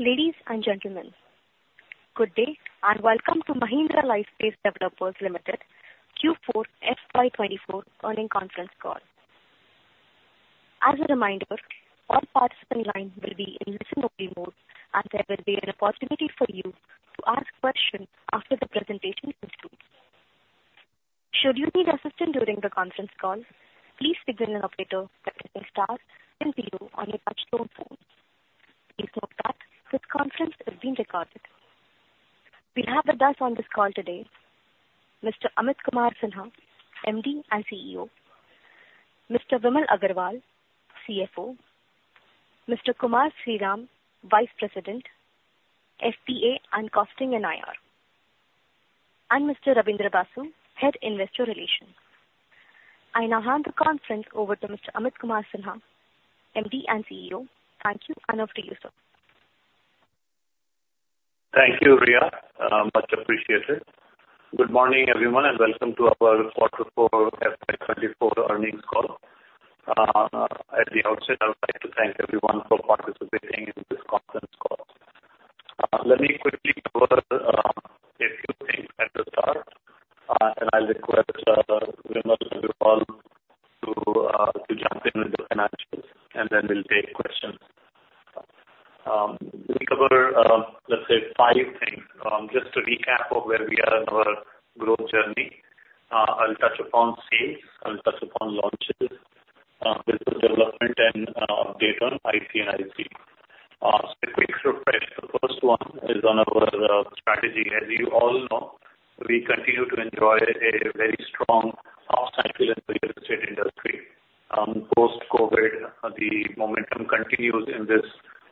Ladies and gentlemen, good day and welcome to Mahindra Lifespace Developers Ltd. Q4 FY24 earnings conference call. As a reminder, all participants' lines will be in listen-only mode and there will be an opportunity for you to ask questions after the presentation concludes. Should you need assistance during the conference call, please signal the operator by pressing * then pound on your touch-tone phone. Please note that this conference is being recorded. We have with us on this call today Mr. Amit Kumar Sinha, MD and CEO; Mr. Vimal Agarwal, CFO; Mr. Kumar Sriram, Vice President, FP&A and Costing and Investor Relations; and Mr. Rabindra Basu, Head Investor Relations. I now hand the conference over to Mr. Amit Kumar Sinha, MD and CEO. Thank you and over to you, sir. Thank you, Rhea. Much appreciated. Good morning everyone and welcome to our Q4 FY24 earnings call. At the outset, I would like to thank everyone for participating in this conference call. Let me quickly cover a few things at the start, and I'll request Vimal and you all to jump in with the financials and then we'll take questions. Let me cover, let's say, five things. Just to recap of where we are in our growth journey, I'll touch upon sales, I'll touch upon launches, business development, and update on IC & IC. So a quick refresh, the first one is on our strategy. As you all know, we continue to enjoy a very strong upcycle in the real estate industry. Post-COVID, the momentum continues in this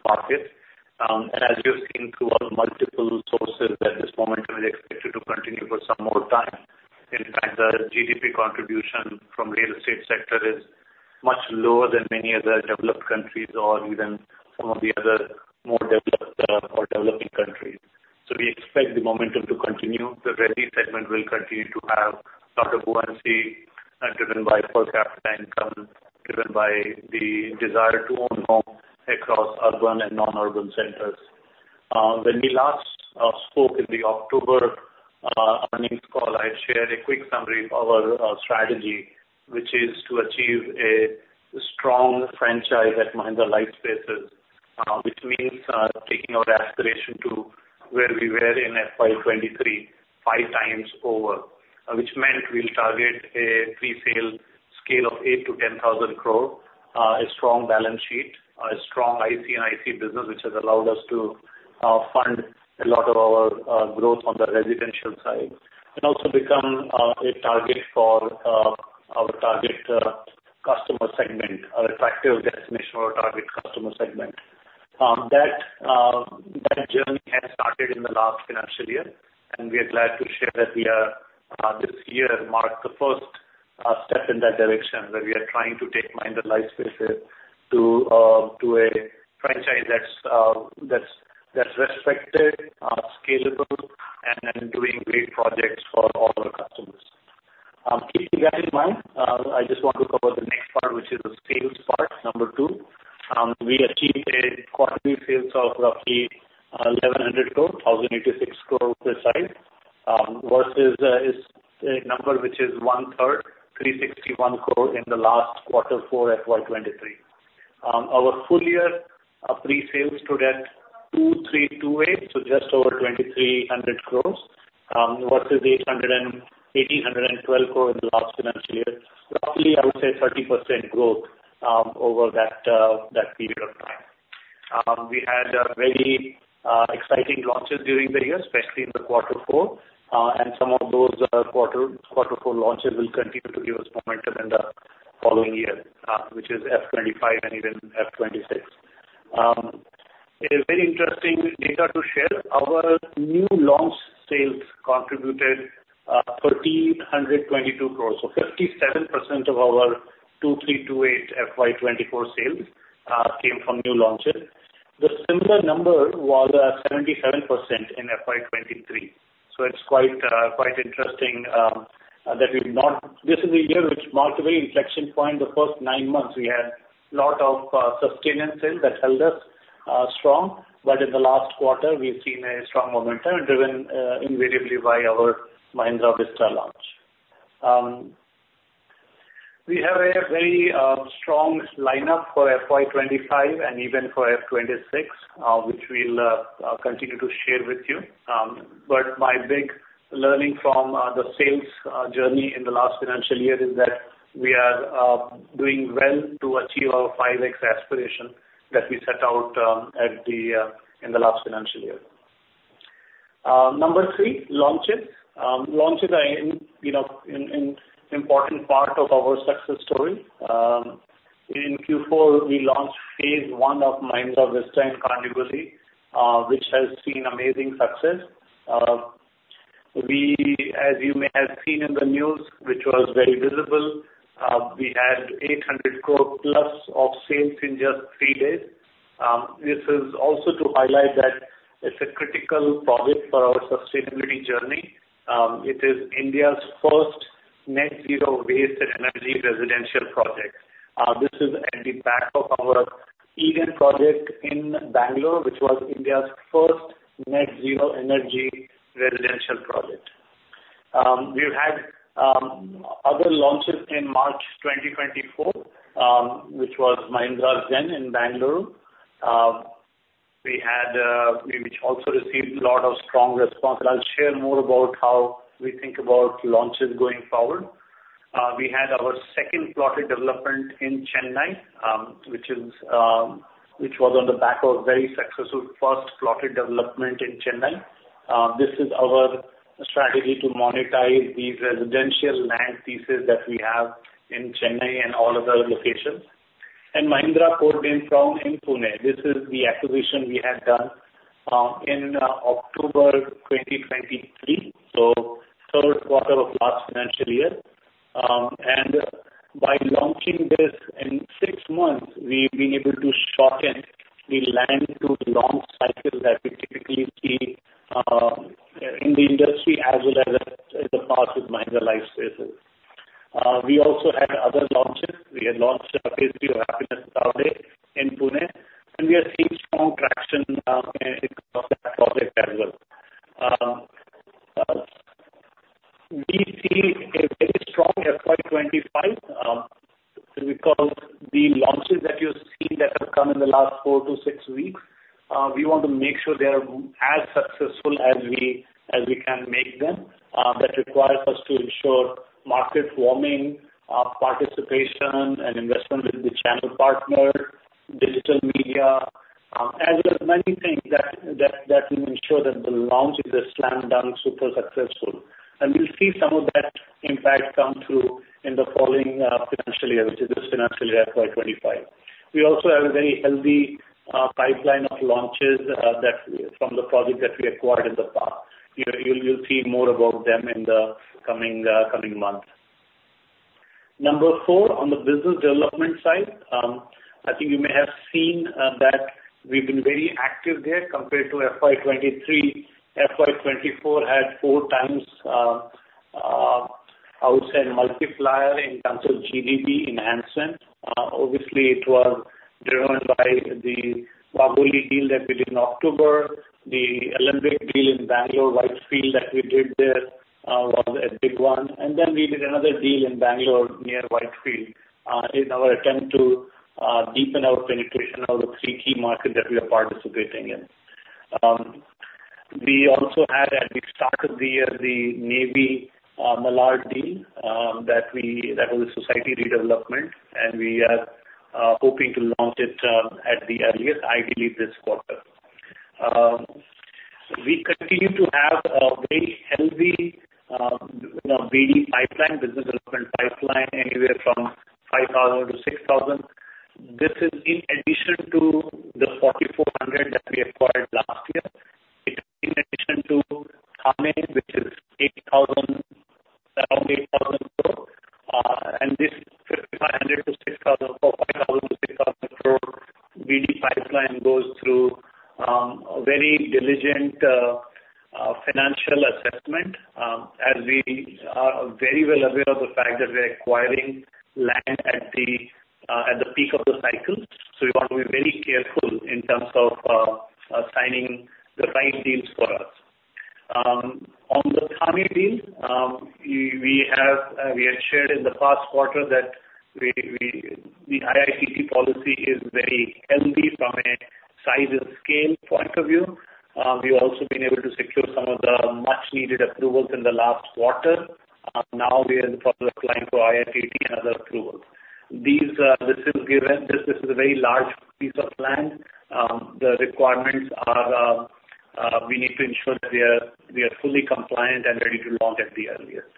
market, and as you've seen through multiple sources, that this momentum is expected to continue for some more time. In fact, the GDP contribution from the real estate sector is much lower than many other developed countries or even some of the other more developed or developing countries. So we expect the momentum to continue. The ready segment will continue to have a lot of buoyancy driven by per capita income, driven by the desire to own home across urban and non-urban centers. When we last spoke in the October earnings call, I had shared a quick summary of our strategy, which is to achieve a strong franchise at Mahindra Lifespace, which means taking our aspiration to where we were in FY23 five times over, which meant we'll target a pre-sale scale of 8-10 thousand crore, a strong balance sheet, a strong IC & IC business, which has allowed us to fund a lot of our growth on the residential side, and also become a target for our target customer segment, our attractive destination or target customer segment. That journey has started in the last financial year, and we are glad to share that this year marked the first step in that direction where we are trying to take Mahindra Lifespace to a franchise that's respected, scalable, and then doing great projects for all our customers. Keeping that in mind, I just want to cover the next part, which is the sales part, number two. We achieved quarterly sales of roughly 1,100 crore, 1,086 crore precise, versus a number which is one-third, 361 crore, in the last quarter four FY23. Our full-year pre-sales stood at 2,328 crore, so just over 2,300 crores, versus 818.112 crore in the last financial year. Roughly, I would say 30% growth over that period of time. We had very exciting launches during the year, especially in the quarter four, and some of those quarter four launches will continue to give us momentum in the following year, which is FY25 and even FY26. A very interesting data to share, our new launch sales contributed 3,122 crores, so 57% of our 2,328 crore FY24 sales came from new launches. The similar number was 77% in FY23. So it's quite interesting that we've not. This is a year which marked a very inflection point. The first nine months, we had a lot of sustenance sales that held us strong, but in the last quarter, we've seen a strong momentum driven invariably by our Mahindra Vista launch. We have a very strong lineup for FY25 and even for FY26, which we'll continue to share with you. But my big learning from the sales journey in the last financial year is that we are doing well to achieve our 5X aspiration that we set out in the last financial year. Number three, launches. Launches are an important part of our success story. In Q4, we launched phase one of Mahindra Vista in Kandivali, which has seen amazing success. As you may have seen in the news, which was very visible, we had 800 crore-plus of sales in just 3 days. This is also to highlight that it's a critical project for our sustainability journey. It is Ind AS first net-zero waste and energy residential project. This is at the back of our Eden project in Bengaluru, which was Ind AS first net-zero energy residential project. We've had other launches in March 2024, which was Mahindra Zen in Bengaluru, which also received a lot of strong response. I'll share more about how we think about launches going forward. We had our second plotted development in Chennai, which was on the back of a very successful first plotted development in Chennai. This is our strategy to monetize these residential land pieces that we have in Chennai and all other locations. Mahindra Codename Crown in Pune, this is the acquisition we had done in October 2023, so third quarter of last financial year. By launching this in 6 months, we've been able to shorten the land-to-launch cycle that we typically see in the industry as well as in the past with Mahindra Lifespace. We also had other launches. We had launched Phase 2 Happinest in Pune, and we are seeing strong traction across that project as well. We see a very strong FY25 because the launches that you've seen that have come in the last 4-6 weeks, we want to make sure they are as successful as we can make them. That requires us to ensure market warming, participation, and investment with the channel partners, digital media, as well as many things that will ensure that the launch is a slam-dunk, super successful. We'll see some of that impact come through in the following financial year, which is this financial year, FY25. We also have a very healthy pipeline of launches from the project that we acquired in the past. You'll see more about them in the coming months. Number 4, on the business development side, I think you may have seen that we've been very active there compared to FY23. FY24 had 4 times, I would say, a multiplier in terms of GDV enhancement. Obviously, it was driven by the Wagholi deal that we did in October. The Olympia deal in Bengaluru, Whitefield, that we did there was a big one. And then we did another deal in Bengaluru near Whitefield in our attempt to deepen our penetration of the three key markets that we are participating in. We also had, at the start of the year, the Malad deal that was a society redevelopment, and we are hoping to launch it at the earliest, ideally, this quarter. We continue to have a very healthy GDV pipeline, business development pipeline, anywhere from 5,000-6,000 crore. This is in addition to the 4,400 crore that we acquired last year. It's in addition to Thane, which is around 8,000 crore. And this 5,500-6,000 crore or 5,000-6,000 crore GDV pipeline goes through a very diligent financial assessment as we are very well aware of the fact that we're acquiring land at the peak of the cycle. So we want to be very careful in terms of signing the right deals for us. On the Thane deal, we had shared in the past quarter that the IITT policy is very healthy from a size and scale point of view. We've also been able to secure some of the much-needed approvals in the last quarter. Now we are in the process of applying for IITT and other approvals. This is a very large piece of land. The requirements are we need to ensure that we are fully compliant and ready to launch at the earliest.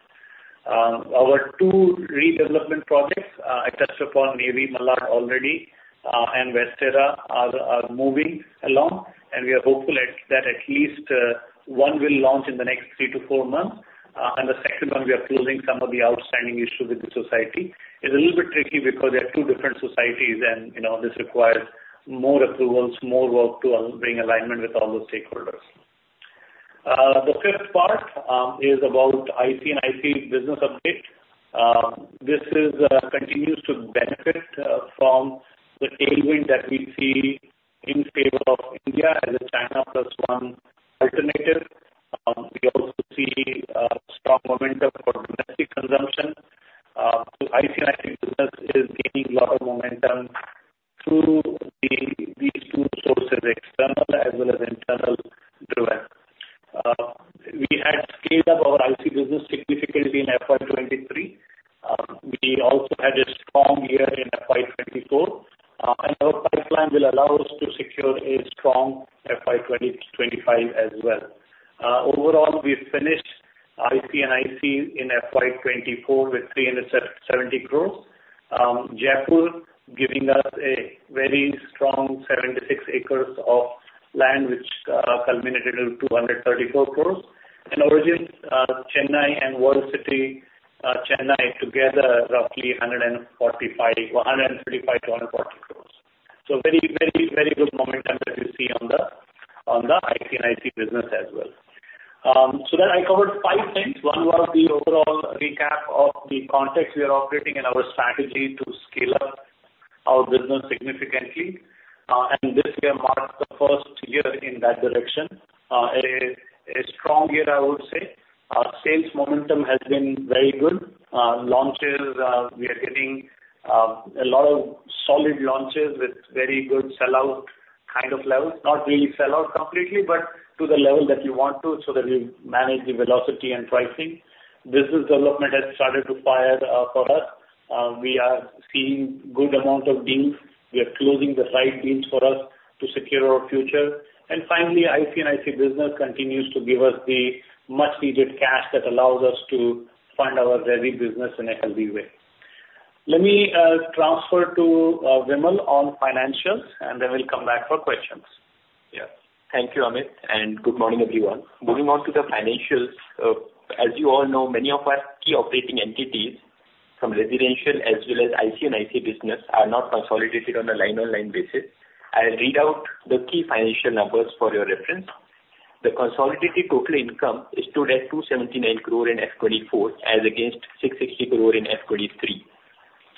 Our two redevelopment projects, I touched upon Malad already and Vista, are moving along, and we are hopeful that at least one will launch in the next 3-4 months. And the second one, we are closing some of the outstanding issues with the society. It's a little bit tricky because they are two different societies, and this requires more approvals, more work to bring alignment with all the stakeholders. The fifth part is about IC & IC business update. This continues to benefit from the tailwind that we see in favor of India as a China-plus-one alternative. We also see a strong momentum for domestic consumption. IC & IC business is gaining a lot of momentum through these two sources, external as well as internal driven. We had scaled up our IC business significantly in FY23. We also had a strong year in FY24, and our pipeline will allow us to secure a strong FY25 as well. Overall, we finished IC & IC in FY24 with 370 crores, Jaipur giving us a very strong 76 acres of land, which culminated in 234 crores, and Origins, Chennai and World City, Chennai together, roughly 135 crores-140 crores. So very, very, very good momentum that we see on the IC & IC business as well. So then I covered five things. One was the overall recap of the context we are operating in our strategy to scale up our business significantly. This year marks the first year in that direction, a strong year, I would say. Sales momentum has been very good. Launches, we are getting a lot of solid launches with very good sellout kind of levels. Not really sellout completely, but to the level that you want to so that you manage the velocity and pricing. Business development has started to fire for us. We are seeing good amount of deals. We are closing the right deals for us to secure our future. Finally, IC & IC business continues to give us the much-needed cash that allows us to fund our ready business in a healthy way. Let me transfer to Vimal on financials, and then we'll come back for questions. Yes. Thank you, Amit, and good morning, everyone. Moving on to the financials, as you all know, many of our key operating entities from residential as well as IC & IC business are not consolidated on a line-by-line basis. I'll read out the key financial numbers for your reference. The consolidated total income stood at 279 crore in FY24 as against 660 crore in FY23.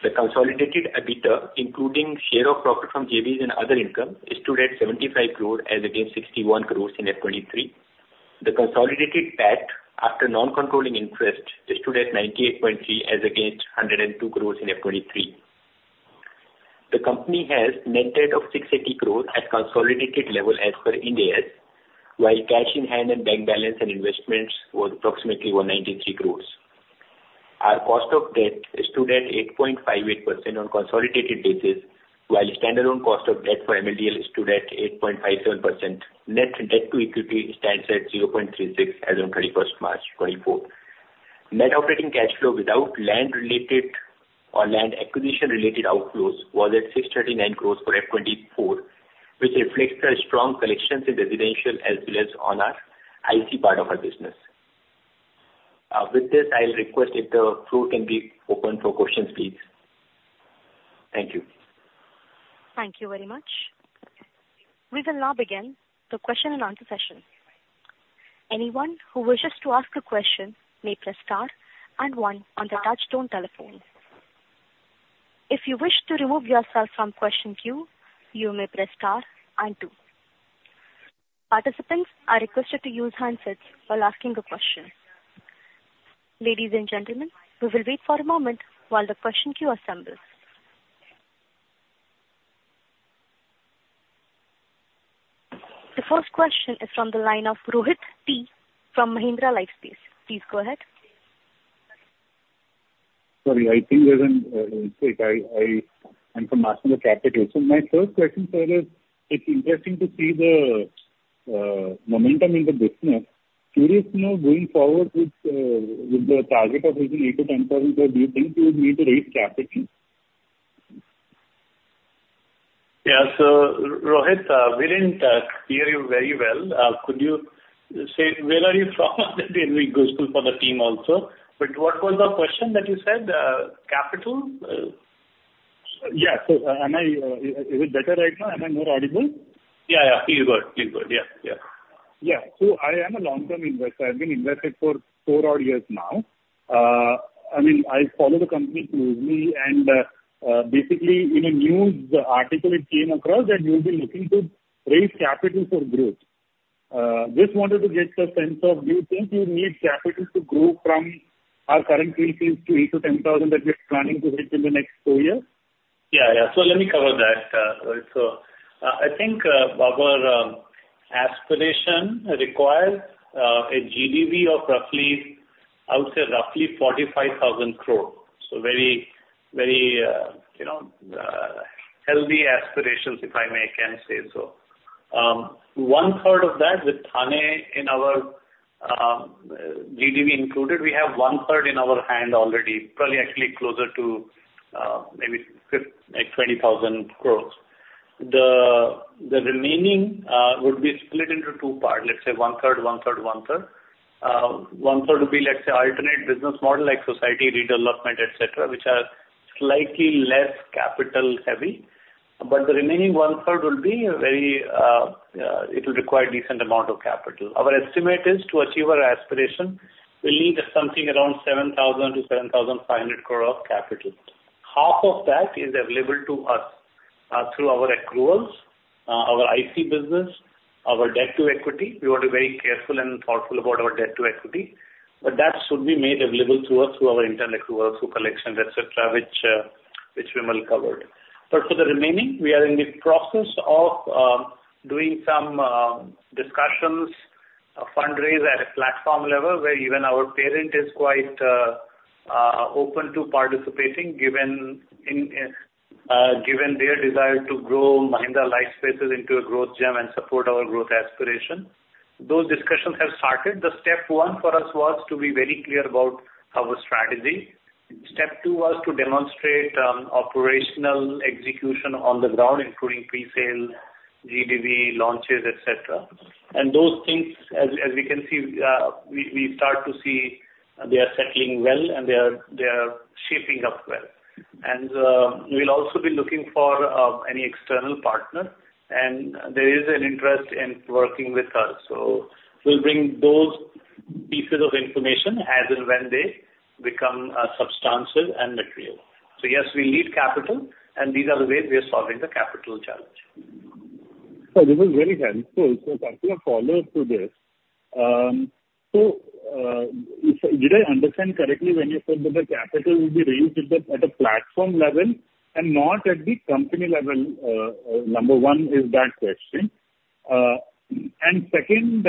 The consolidated EBITDA, including share of profit from JVs and other income, stood at 75 crore as against 61 crore in FY23. The consolidated PAT after non-controlling interest stood at 98.3 crore as against 102 crore in FY23. The company has net debt of 680 crore at consolidated level as per Ind AS, while cash in hand and bank balance and investments were approximately 193 crore. Our cost of debt is stood at 8.58% on consolidated basis, while standalone cost of debt for MLDL is stood at 8.57%. Net debt to equity stands at 0.36 as of 31st March 2024. Net operating cash flow without land-related or land acquisition-related outflows was at 639 crores for F24, which reflects the strong collections in residential as well as on our IC part of our business. With this, I'll request if the floor can be opened for questions, please. Thank you. Thank you very much. We will now begin the question-and-answer session. Anyone who wishes to ask a question may press star and one on the touch-tone telephone. If you wish to remove yourself from question queue, you may press star and two. Participants are requested to use handsets while asking a question. Ladies and gentlemen, we will wait for a moment while the question queue assembles. The first question is from the line of Rohit T from Mahindra Lifespace. Please go ahead. Sorry, I think there's an issue. I'm from National Capital. So my first question, sir, is it's interesting to see the momentum in the business. Curious to know, going forward with the target of reaching 8,000 crore-10,000 crore, do you think you would need to raise capital? Yeah. So Rohit, we didn't hear you very well. Could you say where are you from? That will be useful for the team also. But what was the question that you said? Capital? Yeah. So is it better right now? Am I more audible? Yeah, yeah. You're good. You're good. Yeah, yeah. Yeah. So I am a long-term investor. I've been invested for four-odd years now. I mean, I follow the company closely. And basically, in a news article it came across that you'll be looking to raise capital for growth. Just wanted to get the sense of, do you think you need capital to grow from our current pre-sales to 8,000-10,000 that we are planning to reach in the next four years? Yeah, yeah. So let me cover that. So I think our aspiration requires a GDV of roughly, I would say, roughly 45,000 crore. So very healthy aspirations, if I may again say so. One-third of that with Thane in our GDV included, we have one-third in our hand already, probably actually closer to maybe 20,000 crores. The remaining would be split into two parts, let's say one-third, one-third, one-third. One-third would be, let's say, alternate business model like society redevelopment, etc., which are slightly less capital-heavy. But the remaining one-third will require a decent amount of capital. Our estimate is to achieve our aspiration, we'll need something around 7,000-7,500 crore of capital. Half of that is available to us through our accruals, our IC business, our debt to equity. We want to be very careful and thoughtful about our debt to equity. But that should be made available to us through our internal accruals, through collections, etc., which Vimal covered. But for the remaining, we are in the process of doing some discussions, a fundraise at a platform level where even our parent is quite open to participating given their desire to grow Mahindra Lifespace into a growth gem and support our growth aspiration. Those discussions have started. The step one for us was to be very clear about our strategy. Step two was to demonstrate operational execution on the ground, including pre-sale, GDV, launches, etc. Those things, as we can see, we start to see they are settling well and they are shaping up well. We'll also be looking for any external partner. There is an interest in working with us. We'll bring those pieces of information as and when they become substantive and material. Yes, we need capital, and these are the ways we are solving the capital challenge. This is very helpful. A couple of follow-ups to this. Did I understand correctly when you said that the capital will be raised at a platform level and not at the company level? Number one is that question. And second,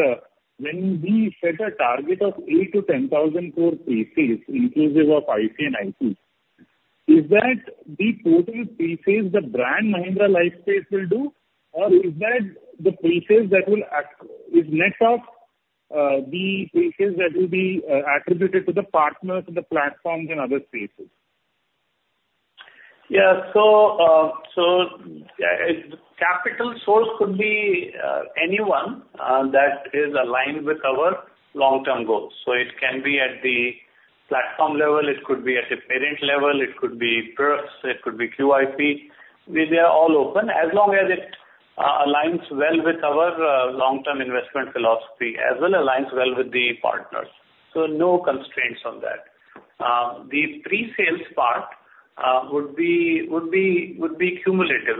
when we set a target of 8,000 crore-10,000 crore pre-sales, inclusive of IC and IC, is that the total pre-sales the brand Mahindra Lifespace will do, or is that the pre-sales that will is net of the pre-sales that will be attributed to the partners in the platforms and other spaces? Yeah. So capital source could be anyone that is aligned with our long-term goals. So it can be at the platform level. It could be at a parent level. It could be PE. It could be QIP. They are all open as long as it aligns well with our long-term investment philosophy as well aligns well with the partners. So no constraints on that. The pre-sales part would be cumulative.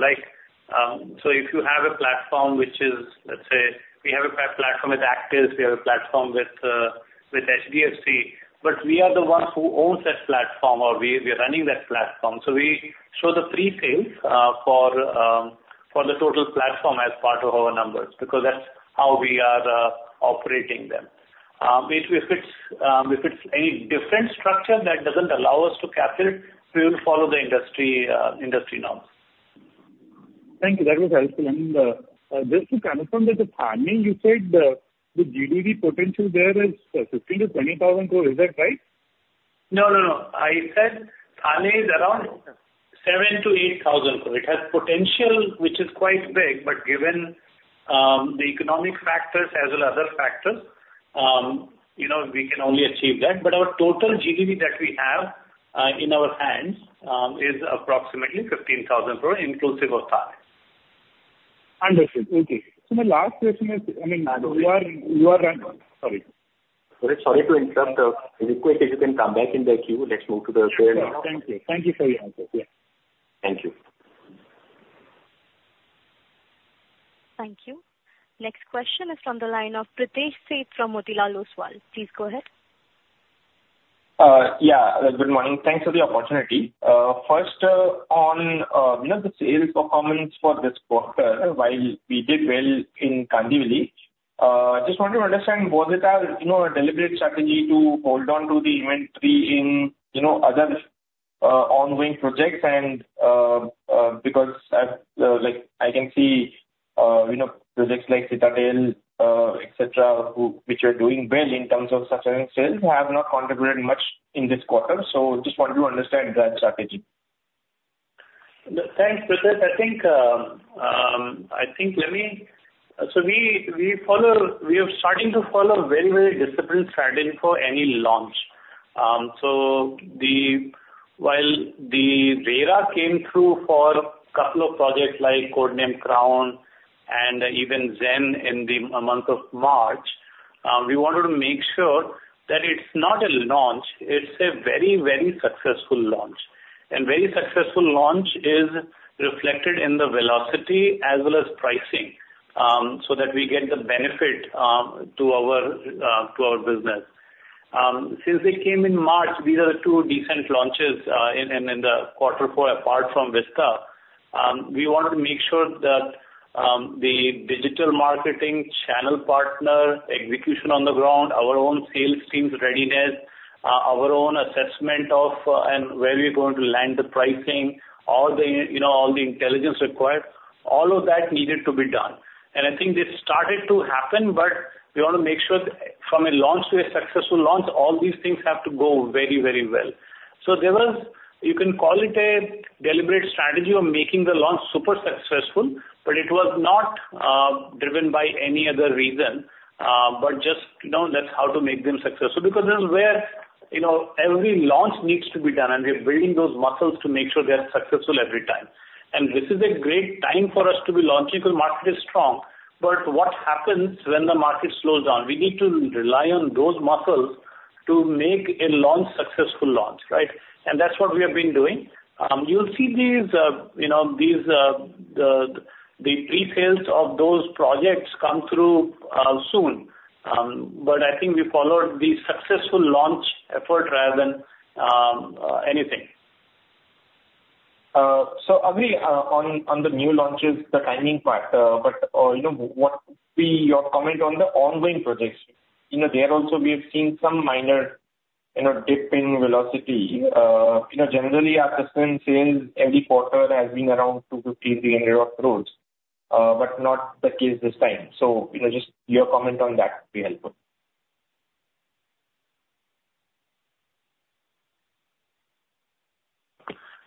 So if you have a platform which is let's say, we have a platform with Actis. We have a platform with HDFC. But we are the ones who own that platform or we are running that platform. So we show the pre-sales for the total platform as part of our numbers because that's how we are operating them. If it's any different structure that doesn't allow us to capture, we will follow the industry norms. Thank you. That was helpful. And just to confirm that the Thane, you said the GDV potential there is 15,000 crore-20,000 crore. Is that right? No, no, no. I said Thane is around 7,000 crore-8,000 crore. It has potential which is quite big, but given the economic factors as well as other factors, we can only achieve that. But our total GDV that we have in our hands is approximately 15,000 crore inclusive of Thane. Understood. Okay. So my last question is I mean, you are sorry. Rohit, sorry to interrupt. If you're quick, if you can come back in the queue, let's move to the parent level. Yeah. Thank you. Thank you for your answers. Yeah. Thank you. Thank you. Next question is from the line of Pritesh Sheth from Motilal Oswal. Please go ahead. Yeah. Good morning. Thanks for the opportunity. First, on the sales performance for this quarter, while we did well in Kandivali, I just wanted to understand, was it a deliberate strategy to hold on to the inventory in other ongoing projects? And because I can see projects like Citadel, etc., which are doing well in terms of sustaining sales, have not contributed much in this quarter. So just wanted to understand that strategy. Thanks, Pritesh. I think let me so we are starting to follow a very, very disciplined strategy for any launch. So while the RERA came through for a couple of projects like Codename Crown and even Zen in the month of March, we wanted to make sure that it's not a launch. It's a very, very successful launch. And very successful launch is reflected in the velocity as well as pricing so that we get the benefit to our business. Since they came in March, these are the two decent launches in the quarter four apart from Vista. We wanted to make sure that the digital marketing channel partner, execution on the ground, our own sales team's readiness, our own assessment of where we are going to land the pricing, all the intelligence required, all of that needed to be done. And I think this started to happen, but we want to make sure from a launch to a successful launch, all these things have to go very, very well. So you can call it a deliberate strategy of making the launch super successful, but it was not driven by any other reason, but just that's how to make them successful because this is where every launch needs to be done, and we are building those muscles to make sure they are successful every time. And this is a great time for us to be launching because the market is strong. But what happens when the market slows down? We need to rely on those muscles to make a successful launch, right? And that's what we have been doing. You'll see these pre-sales of those projects come through soon. But I think we followed the successful launch effort rather than anything. So agree on the new launches, the timing part. But what would be your comment on the ongoing projects? There also, we have seen some minor dip in velocity. Generally, our sustained sales every quarter has been around 215 billion growth, but not the case this time. So just your comment on that would be helpful.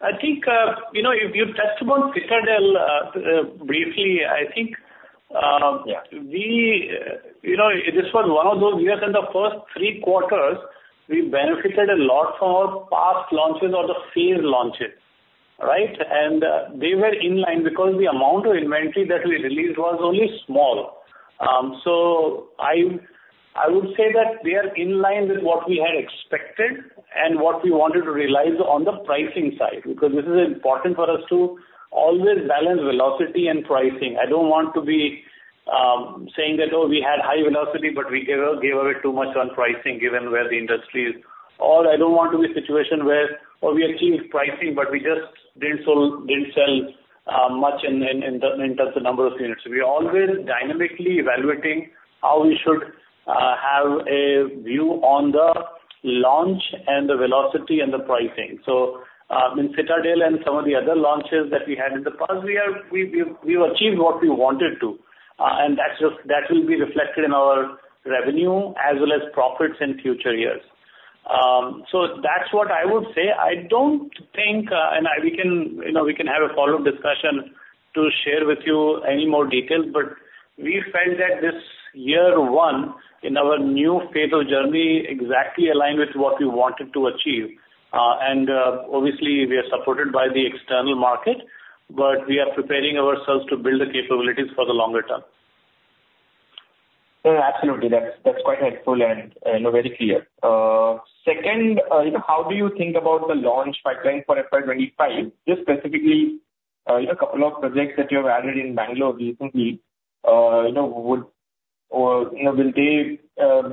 I think if you touched upon Citadel briefly, I think this was one of those years in the first three quarters, we benefited a lot from our past launches or the phase launches, right? And they were in line because the amount of inventory that we released was only small. So I would say that they are in line with what we had expected and what we wanted to realize on the pricing side because this is important for us to always balance velocity and pricing. I don't want to be saying that, "Oh, we had high velocity, but we gave away too much on pricing given where the industry is." Or I don't want to be in a situation where, "Oh, we achieved pricing, but we just didn't sell much in terms of number of units." We are always dynamically evaluating how we should have a view on the launch and the velocity and the pricing. So in Citadel and some of the other launches that we had in the past, we have achieved what we wanted to. And that will be reflected in our revenue as well as profits in future years. So that's what I would say. I don't think, and we can have a follow-up discussion to share with you any more details. But we felt that this year one in our new phase of journey exactly aligned with what we wanted to achieve. And obviously, we are supported by the external market, but we are preparing ourselves to build the capabilities for the longer term. Absolutely. That's quite helpful and very clear. Second, how do you think about the launch pipeline for FY25? Just specifically, a couple of projects that you have added in Bengaluru recently, would they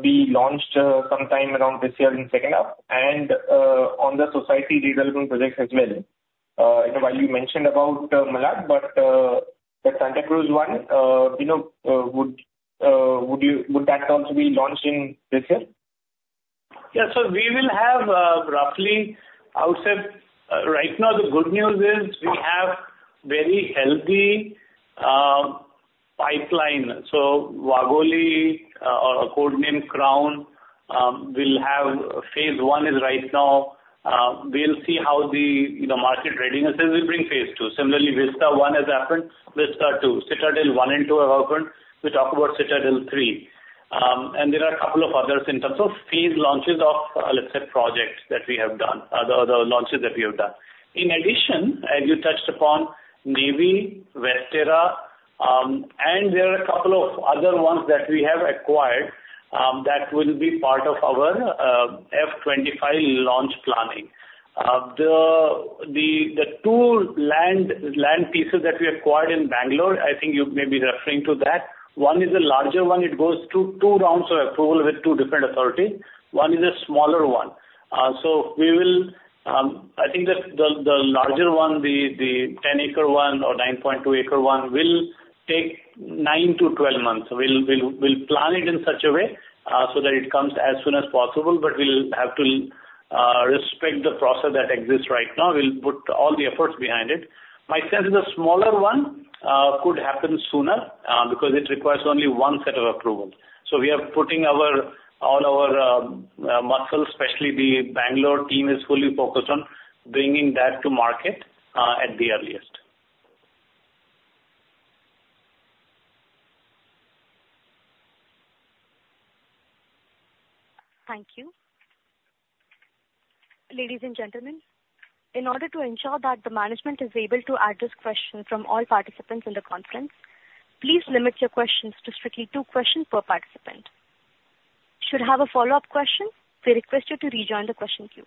be launched sometime around this year in second half? And on the society redevelopment projects as well, while you mentioned about Malad, but the Santacruz one, would that also be launched in this year? Yeah. So we will have roughly I would say right now, the good news is we have very healthy pipeline. So Wagholi or Codename Crown will have phase one is right now. We'll see how the market readiness is will bring phase 2. Similarly, Vista 1 has happened. Vista 2. Citadel 1 and 2 have happened. We talk about Citadel 3. And there are a couple of others in terms of phase launches of, let's say, projects that we have done, the launches that we have done. In addition, as you touched upon, Malad, Vista, and there are a couple of other ones that we have acquired that will be part of our F25 launch planning. The 2 land pieces that we acquired in Bengaluru, I think you may be referring to that. One is the larger one. It goes through 2 rounds of approval with 2 different authorities. One is a smaller one. So we will I think that the larger one, the 10-acre one or 9.2-acre one, will take 9-12 months. We'll plan it in such a way so that it comes as soon as possible, but we'll have to respect the process that exists right now. We'll put all the efforts behind it. My sense is the smaller one could happen sooner because it requires only one set of approvals. So we are putting all our muscles, especially the Bangalore team is fully focused on bringing that to market at the earliest. Thank you. Ladies and gentlemen, in order to ensure that the management is able to address questions from all participants in the conference, please limit your questions to strictly two questions per participant. Should have a follow-up question, we request you to rejoin the question queue.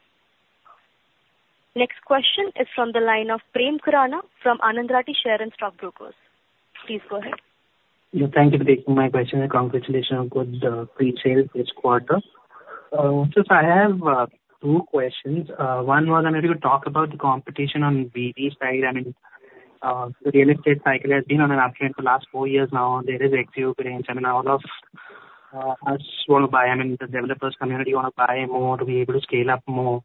Next question is from the line of Prem Khurana from Anand Rathi. Please go ahead. Thank you for taking my question. Congratulations on good pre-sales this quarter. So I have two questions. One was, I mean, if you talk about the competition on VV side, I mean, the real estate cycle has been on an uptrend for the last four years now. There is euphoria. I mean, all of us want to buy. I mean, the developers' community want to buy more to be able to scale up more.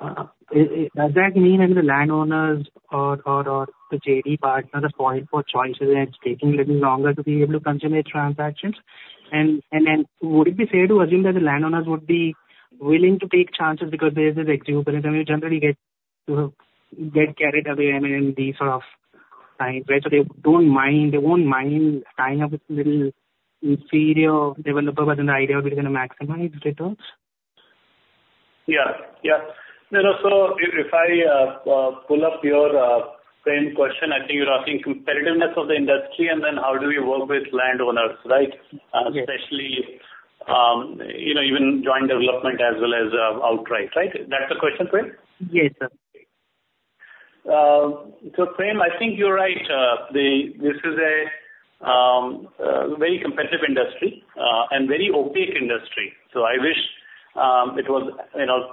Does that mean, I mean, the landowners or the JD partners are spoilt for choices and it's taking a little longer to be able to consummate transactions? And then would it be fair to assume that the landowners would be willing to take chances because there's this euphoria? I mean, you generally get carried away, I mean, in these sort of times, right? So they won't mind tying up with a little inferior developer, but then the idea of we're going to maximize returns. Yeah. Yeah. No, no. So if I pull up your same question, I think you're asking competitiveness of the industry and then how do we work with landowners, right? Especially even joint development as well as outright, right? That's the question, Prem? Yes, sir. So Prem, I think you're right. This is a very competitive industry and very opaque industry. So I wish it was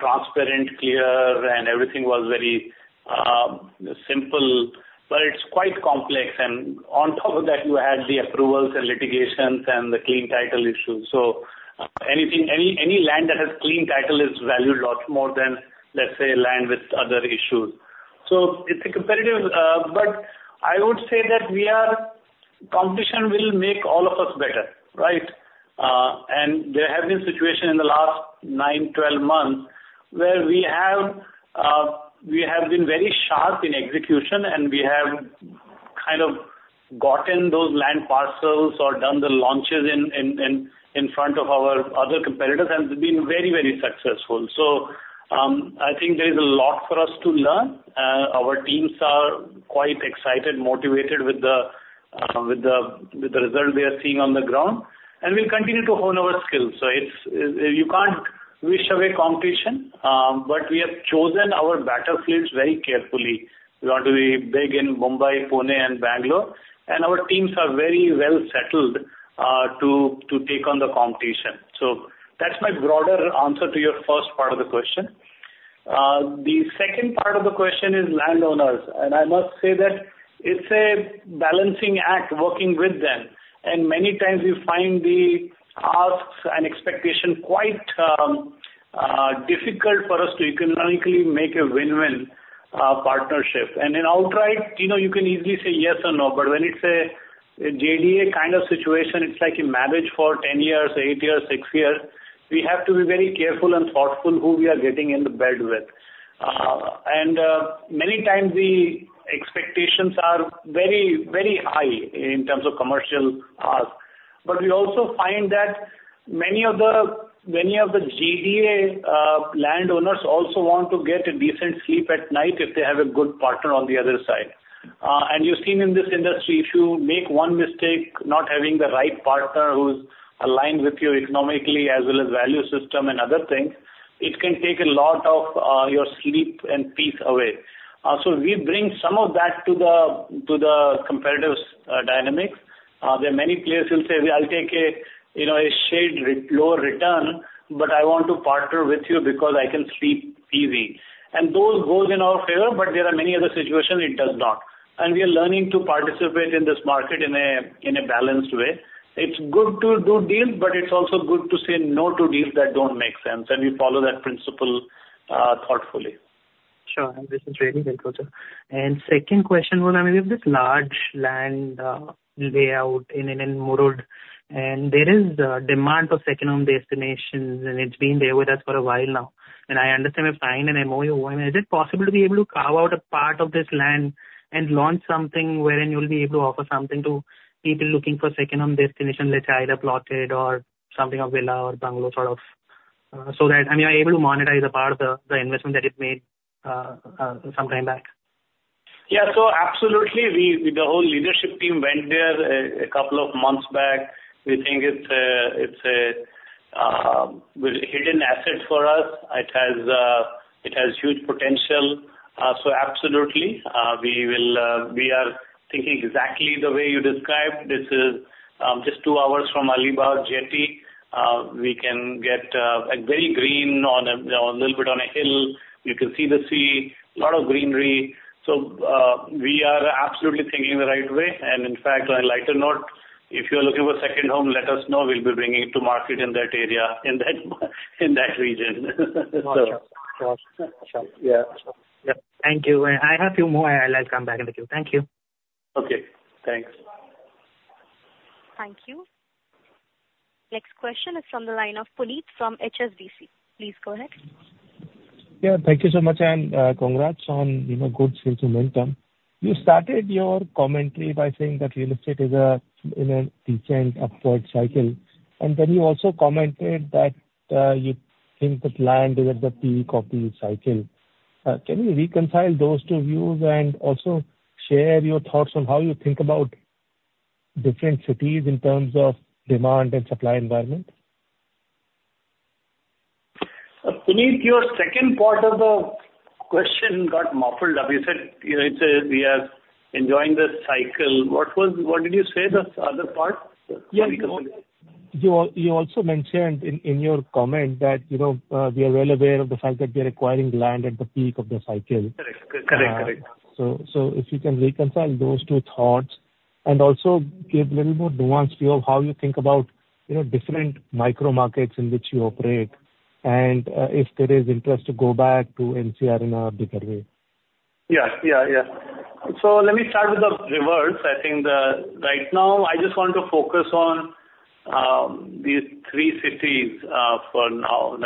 transparent, clear, and everything was very simple. But it's quite complex. And on top of that, you had the approvals and litigations and the clean title issues. So any land that has clean title is valued a lot more than, let's say, land with other issues. So it's a competitive, but I would say that competition will make all of us better, right? There have been situations in the last 9, 12 months where we have been very sharp in execution, and we have kind of gotten those land parcels or done the launches in front of our other competitors and been very, very successful. So I think there is a lot for us to learn. Our teams are quite excited, motivated with the results they are seeing on the ground. We'll continue to hone our skills. So you can't wish away competition, but we have chosen our battlefields very carefully. We want to be big in Mumbai, Pune, and Bangalore. Our teams are very well-settled to take on the competition. So that's my broader answer to your first part of the question. The second part of the question is landowners. I must say that it's a balancing act working with them. Many times, you find the asks and expectations quite difficult for us to economically make a win-win partnership. In outright, you can easily say yes or no. But when it's a JDA kind of situation, it's like a marriage for 10 years, 8 years, 6 years. We have to be very careful and thoughtful who we are getting in the bed with. Many times, the expectations are very, very high in terms of commercial asks. But we also find that many of the JDA landowners also want to get a decent sleep at night if they have a good partner on the other side. You've seen in this industry, if you make one mistake, not having the right partner who's aligned with you economically as well as value system and other things, it can take a lot of your sleep and peace away. So we bring some of that to the competitive dynamics. There are many players who will say, "I'll take a shared lower return, but I want to partner with you because I can sleep easy." Those go in our favor, but there are many other situations it does not. We are learning to participate in this market in a balanced way. It's good to do deals, but it's also good to say no to deals that don't make sense. We follow that principle thoughtfully. Sure. This is really helpful, sir. Second question was, I mean, we have this large land layout in Murud. There is demand for second-home destinations, and it's been there with us for a while now. I understand we have signed an MOU. I mean, is it possible to be able to carve out a part of this land and launch something wherein you'll be able to offer something to people looking for second-home destination, let's say either plotted or something of villa or bungalow sort of so that, I mean, you're able to monetize a part of the investment that you've made some time back? Yeah. So absolutely. The whole leadership team went there a couple of months back. We think it's a hidden asset for us. It has huge potential. So absolutely. We are thinking exactly the way you described. This is just two hours from Alibaug jetty. We can get very green a little bit on a hill. You can see the sea, a lot of greenery. So we are absolutely thinking the right way. In fact, on a lighter note, if you are looking for second home, let us know. We'll be bringing it to market in that region, so. Sure. Sure. Sure. Yeah. Yeah. Thank you. And I have a few more. I'll come back in the queue. Thank you. Okay. Thanks. Thank you. Next question is from the line of Puneet from HSBC. Please go ahead. Yeah. Thank you so much, Ann. Congrats on good sales momentum. You started your commentary by saying that real estate is in a decent upward cycle. And then you also commented that you think that land is at the peak of the cycle. Can you reconcile those two views and also share your thoughts on how you think about different cities in terms of demand and supply environment? Puneet, your second part of the question got muffled up. You said we are enjoying the cycle. What did you say, the other part? Yeah. You also mentioned in your comment that we are well aware of the fact that we are acquiring land at the peak of the cycle. Correct. Correct. Correct. So if you can reconcile those two thoughts and also give a little more nuanced view of how you think about different micro-markets in which you operate and if there is interest to go back to NCR in a bigger way. Yeah. Yeah. Yeah. So let me start with the reverse. I think right now, I just want to focus on these three cities for now.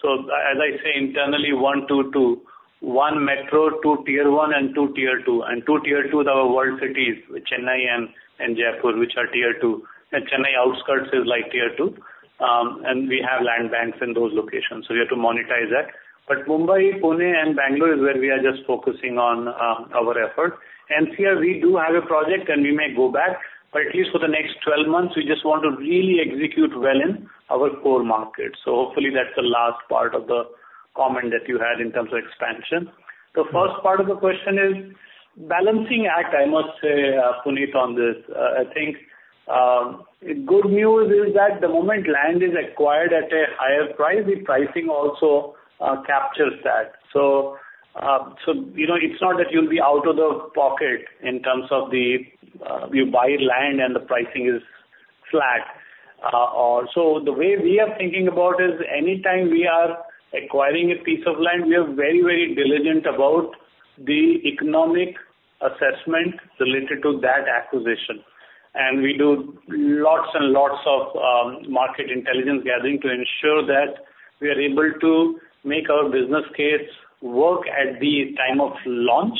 So as I say, internally, one, two, two. One metro, two tier one, and two tier two. And two tier two, the world cities, Chennai and Jaipur, which are tier two. And Chennai outskirts is tier two. And we have land banks in those locations. So we have to monetize that. But Mumbai, Pune, and Bangalore is where we are just focusing on our effort. NCR, we do have a project, and we may go back. But at least for the next 12 months, we just want to really execute well in our core market. So hopefully, that's the last part of the comment that you had in terms of expansion. The first part of the question is balancing act, I must say, Puneet, on this. I think good news is that the moment land is acquired at a higher price, the pricing also captures that. So it's not that you'll be out of the pocket in terms of you buy land and the pricing is flat. So the way we are thinking about is anytime we are acquiring a piece of land, we are very, very diligent about the economic assessment related to that acquisition. And we do lots and lots of market intelligence gathering to ensure that we are able to make our business case work at the time of launch,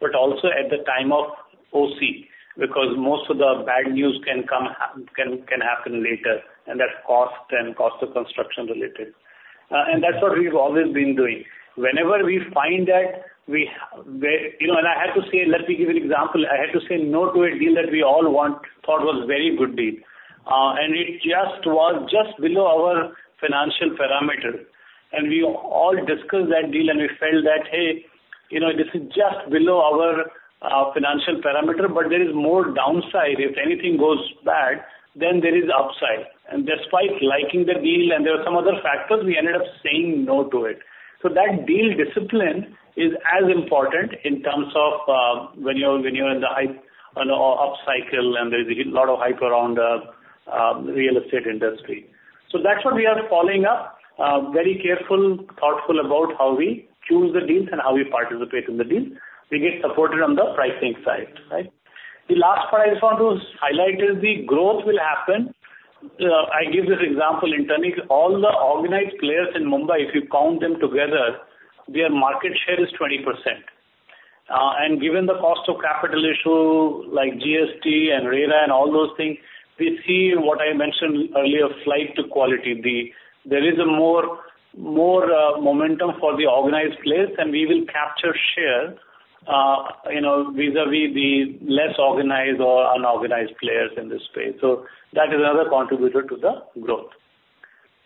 but also at the time of OC because most of the bad news can happen later, and that's cost and cost of construction related. And that's what we've always been doing. Whenever we find that we and I had to say let me give an example. I had to say no to a deal that we all thought was a very good deal. And it just was just below our financial parameters. We all discussed that deal, and we felt that, "Hey, this is just below our financial parameter, but there is more downside. If anything goes bad, then there is upside." Despite liking the deal and there were some other factors, we ended up saying no to it. That deal discipline is as important in terms of when you're in the upcycle and there's a lot of hype around the real estate industry. That's what we are following up, very careful, thoughtful about how we choose the deals and how we participate in the deals. We get supported on the pricing side, right? The last part I just want to highlight is the growth will happen. I give this example internally. All the organized players in Mumbai, if you count them together, their market share is 20%. Given the cost of capital issue like GST and RERA and all those things, we see what I mentioned earlier, flight to quality. There is more momentum for the organized players, and we will capture share vis-à-vis the less organized or unorganized players in this space. So that is another contributor to the growth.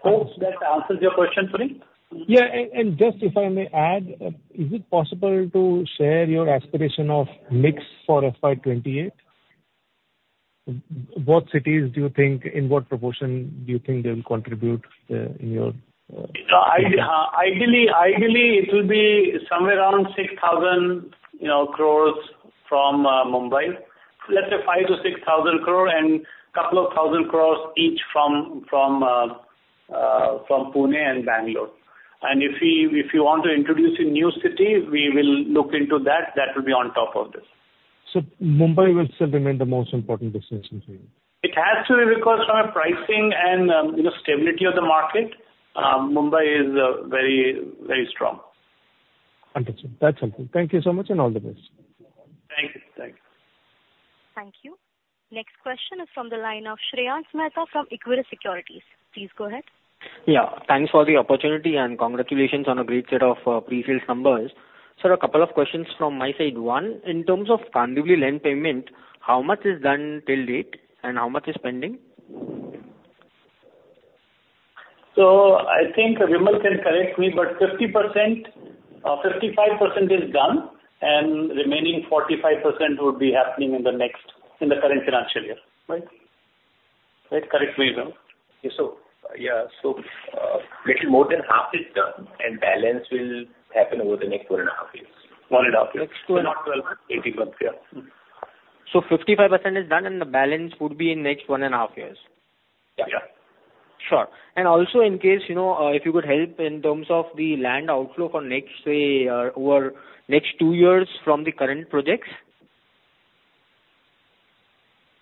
Hope that answers your question, Puneet. Yeah. And just if I may add, is it possible to share your aspiration of mix for FY28? What cities do you think in what proportion do you think they'll contribute in your? Ideally, it will be somewhere around 6,000 crore from Mumbai, let's say 5,000-6,000 crore, and a couple of 1,000 crore each from Pune and Bangalore. And if you want to introduce a new city, we will look into that. That will be on top of this. So Mumbai will still remain the most important decision for you? It has to be because from a pricing and stability of the market, Mumbai is very, very strong. Understood. That's helpful. Thank you so much, and all the best. Thank you. Thank you. Thank you. Next question is from the line of Shreyans Mehta from Equirus Securities. Please go ahead. Yeah. Thanks for the opportunity, and congratulations on a great set of pre-sales numbers. Sir, a couple of questions from my side. One, in terms of Kandivali land payment, how much is done till date, and how much is pending? So I think Vimal can correct me, but 55% is done, and remaining 45% would be happening in the current financial year, right? Right? Correct me, Vimal. Yeah. So a little more than half is done, and balance will happen over the next one and a half years. 1.5 years. Next 2. So not 12 months. 80 months. Yeah. So 55% is done, and the balance would be in next 1.5 years? Yeah. Yeah. Sure. And also in case if you could help in terms of the land outflow for next, say, over next 2 years from the current projects,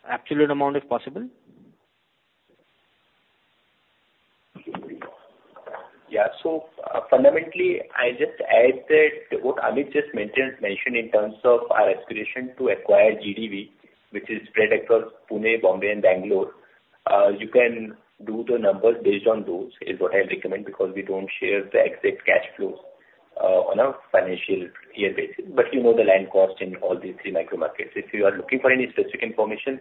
absolute amount if possible? Yeah. So fundamentally, I just add that what Amit just mentioned in terms of our aspiration to acquire GDV, which is spread across Pune, Bombay, and Bangalore, you can do the numbers based on those is what I recommend because we don't share the exact cash flows on a financial year basis. But you know the land cost in all these three micro-markets. If you are looking for any specific information,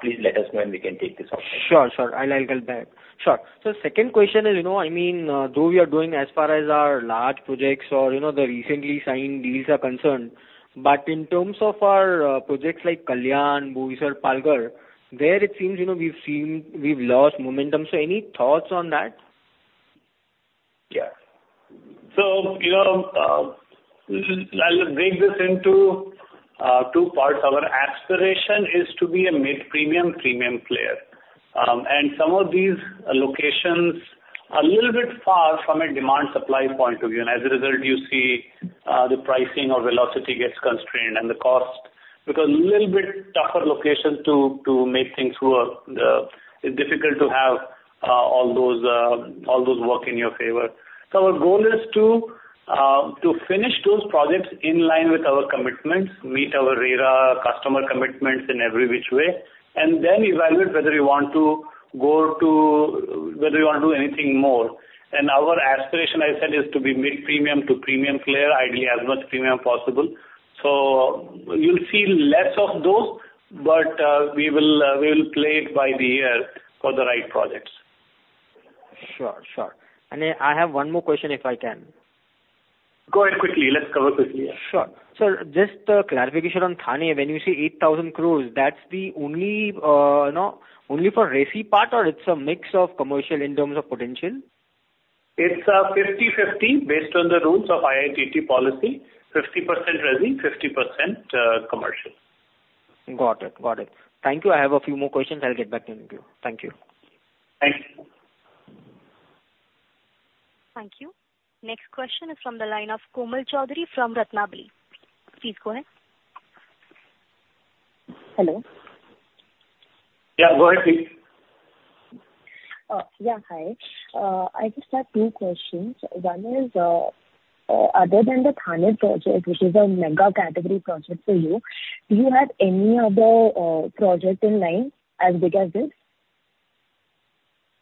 please let us know, and we can take this offline. Sure. Sure. I'll get back. Sure. So second question is, I mean, though we are doing as far as our large projects or the recently signed deals are concerned, but in terms of our projects like Kalyan, Boisar, Palghar, there it seems we've lost momentum. So any thoughts on that? Yeah. So I'll break this into two parts. Our aspiration is to be a mid-premium, premium player. And some of these locations are a little bit far from a demand-supply point of view. And as a result, you see the pricing or velocity gets constrained and the cost because a little bit tougher location to make things work. It's difficult to have all those work in your favor. So our goal is to finish those projects in line with our commitments, meet our RERA customer commitments in every which way, and then evaluate whether you want to go to whether you want to do anything more. Our aspiration, I said, is to be mid-premium to premium player, ideally as much premium as possible. So you'll see less of those, but we will play it by the year for the right projects. Sure. Sure. And I have one more question if I can. Go ahead quickly. Let's cover quickly. Sure. So just clarification on Thane. When you say 8,000 crore, that's only for resi part, or it's a mix of commercial in terms of potential? It's 50/50 based on the rules of IITT policy, 50% resi, 50% commercial. Got it. Got it. Thank you. I have a few more questions. I'll get back to you. Thank you. Thank you. Thank you. Next question is from the line of Komal Chaudhary from Ratnabali. Please go ahead. Hello? Yeah. Go ahead, please. Yeah. Hi. I just have two questions. One is, other than the Thane project, which is a mega-category project for you, do you have any other project in line as big as this?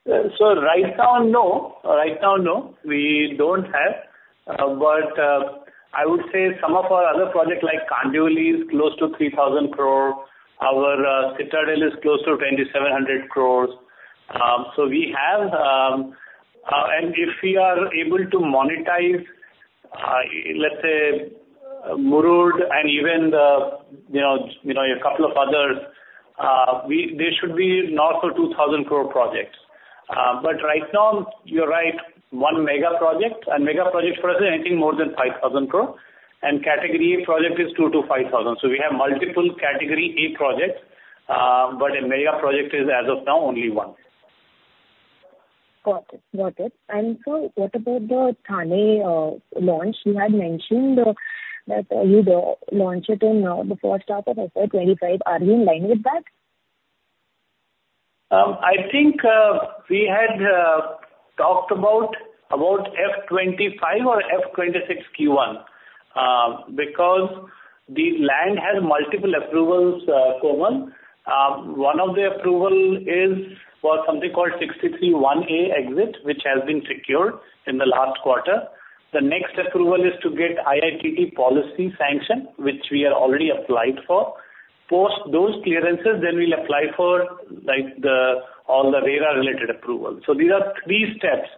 So right now, no. Right now, no. We don't have. But I would say some of our other projects like Kandivali is close to 3,000 crore. Our Citadel is close to 2,700 crore. So we have. And if we are able to monetize, let's say, Murud and even a couple of others, there should be north of 2,000 crore projects. But right now, you're right, one mega project. And mega project, for us, is anything more than 5,000 crore. And category A project is 2,000-5,000 crore. So we have multiple category A projects, but a mega project is, as of now, only one. Got it. Got it. And so what about the Thane launch? You had mentioned that you'd launch it in the first half of FY25. Are you in line with that? I think we had talked about FY25 or FY26 Q1 because the land has multiple approvals, Komal. One of the approvals was something called 63(1)(a) exit, which has been secured in the last quarter. The next approval is to get IITT policy sanction, which we have already applied for. Post those clearances, then we'll apply for all the RERA-related approvals. So these are three steps.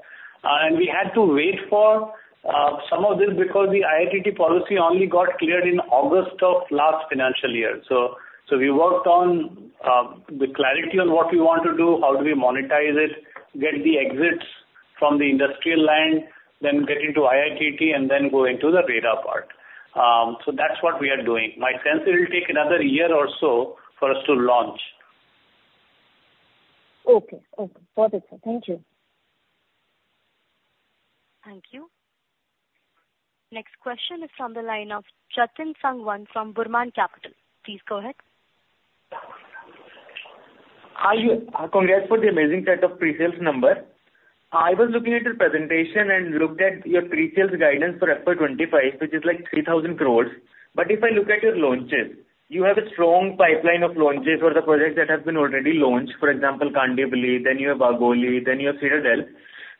And we had to wait for some of this because the IITT policy only got cleared in August of last financial year. So we worked on the clarity on what we want to do, how do we monetize it, get the exits from the industrial land, then get into IITT, and then go into the RERA part. So that's what we are doing. My sense it will take another year or so for us to launch. Okay. Okay. Got it, sir. Thank you. Thank you. Next question is from the line of Jatin Sangwan from Burman Capital. Please go ahead. Congrats for the amazing set of pre-sales numbers. I was looking at your presentation and looked at your pre-sales guidance for FY25, which is 3,000 crore. But if I look at your launches, you have a strong pipeline of launches for the projects that have been already launched, for example, Kandivali, then you have Wagholi, then you have Citadel.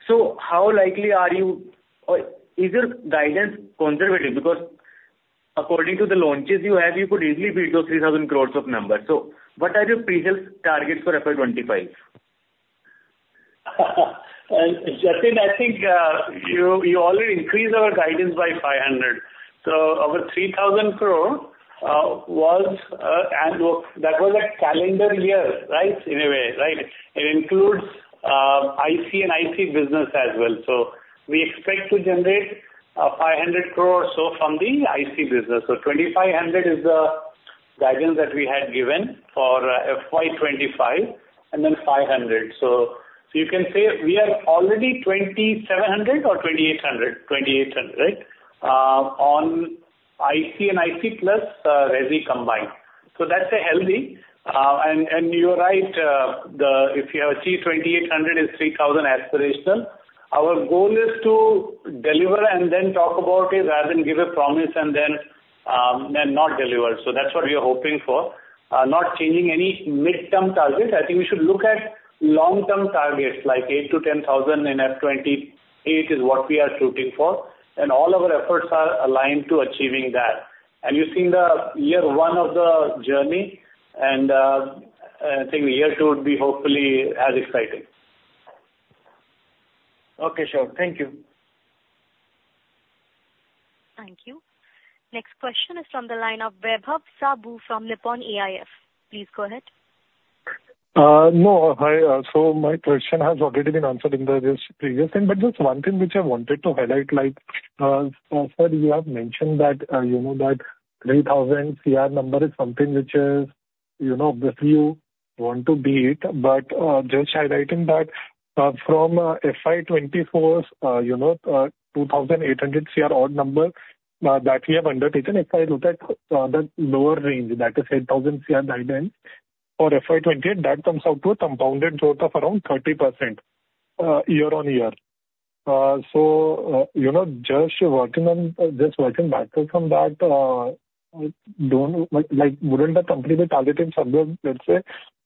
So how likely are you or is your guidance conservative? Because according to the launches you have, you could easily beat those 3,000 crore of numbers. So what are your pre-sales targets for FY25? Jatin, I think you already increased our guidance by 500 crore. So over 3,000 crore was and look, that was a calendar year, right, in a way, right? It includes IC and IC business as well. So we expect to generate 500 crore or so from the IC business. So 2,500 crore is the guidance that we had given for FY25 and then 500 crore. So you can say we are already 2,700 crore or 2,800 crore, 2,800 crore, right, on IC and IC plus resi combined. So that's healthy. And you're right. If you have achieved 2,800 crore, it's 3,000 crore aspirational. Our goal is to deliver and then talk about it rather than give a promise and then not deliver. So that's what we are hoping for, not changing any mid-term targets. I think we should look at long-term targets like 8,000 crore-10,000 crore in FY28 is what we are shooting for. And all our efforts are aligned to achieving that. And you've seen the year one of the journey. And I think year two would be hopefully as exciting. Okay. Sure. Thank you. Thank you. Next question is from the line of Vaibhav Shah from Nippon India Mutual Fund. Please go ahead. No. Hi. So my question has already been answered in the previous thing, but just one thing which I wanted to highlight. Sir, you have mentioned that 3,000 crore number is something which is obviously you want to beat, but just highlighting that from FY24, 2,800 crore odd number that we have undertaken, if I look at that lower range, that is 8,000 crore guidance for FY28, that comes out to a compounded growth of around 30% year-on-year. So just working back from that, wouldn't the company be targeting, let's say,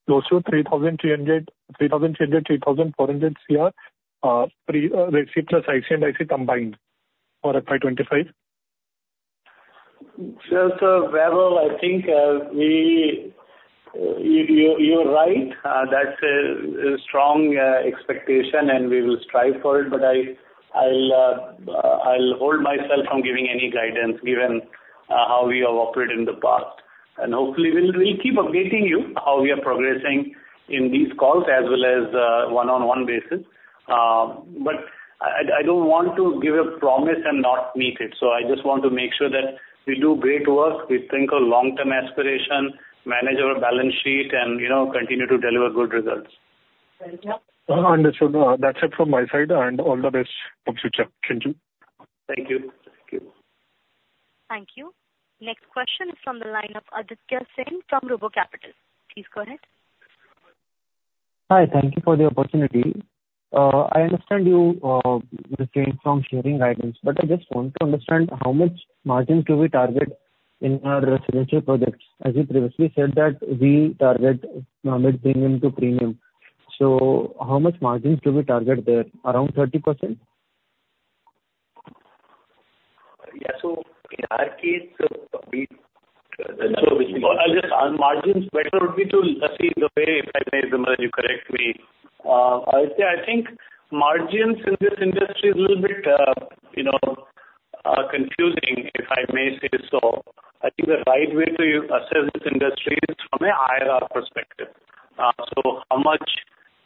close to 3,300-3,400 crore resi plus IC and IC combined for FY25? Sir, so Vaibhav, I think you're right. That's a strong expectation, and we will strive for it. I'll hold myself from giving any guidance given how we have operated in the past. Hopefully, we'll keep updating you how we are progressing in these calls as well as one-on-one basis. I don't want to give a promise and not meet it. I just want to make sure that we do great work, we think of long-term aspiration, manage our balance sheet, and continue to deliver good results. Thank you. Understood. That's it from my side. All the best for future. Thank you. Thank you. Thank you. Thank you. Next question is from the line of Aditya Sen from RoboCapital. Please go ahead. Hi. Thank you for the opportunity. I understand you refrain from sharing guidance, but I just want to understand how much margins do we target in our residential projects? As you previously said that we target mid-premium to premium. So how much margins do we target there, around 30%? Yeah. So in our case, the margins better would be to see the way if I may, Vimal, you correct me. I think margins in this industry is a little bit confusing, if I may say so. I think the right way to assess this industry is from an IRR perspective. So how much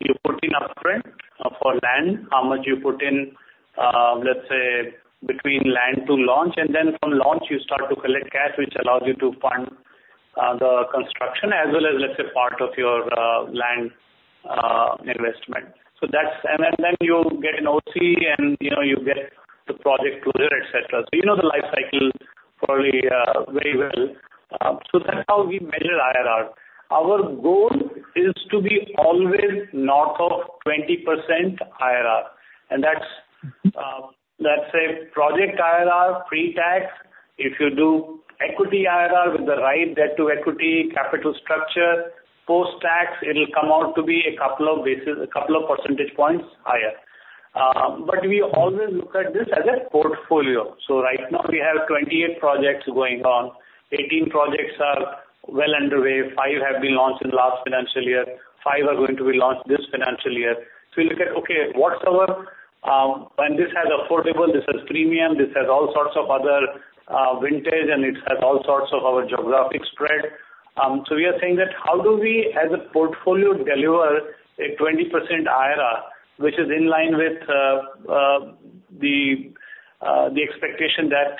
you put in upfront for land, how much you put in, let's say, between land to launch, and then from launch, you start to collect cash, which allows you to fund the construction as well as, let's say, part of your land investment. Then you get an OC, and you get the project closure, etc. So you know the life cycle probably very well. So that's how we measure IRR. Our goal is to be always north of 20% IRR. And that's, let's say, project IRR pre-tax. If you do equity IRR with the right debt to equity capital structure post-tax, it'll come out to be a couple of percentage points higher. But we always look at this as a portfolio. So right now, we have 28 projects going on. 18 projects are well underway. Five have been launched in last financial year. Five are going to be launched this financial year. So we look at, okay, when this has affordable, this has premium, this has all sorts of other vintage, and it has all sorts of our geographic spread. So we are saying that how do we, as a portfolio, deliver a 20% IRR which is in line with the expectation that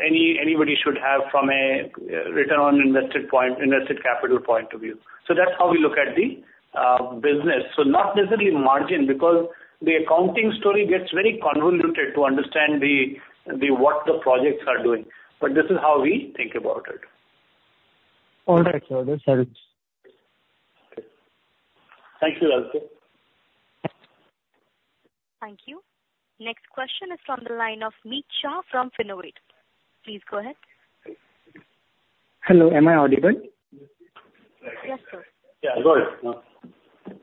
anybody should have from a return on invested capital point of view? So that's how we look at the business. So not necessarily margin because the accounting story gets very convoluted to understand what the projects are doing. But this is how we think about it. All right, sir. This helps. Thank you, Aditya. Thank you. Next question is from the line of Mitesh from Finway. Please go ahead. Hello. Am I audible? Yes, sir. Yeah. Go ahead.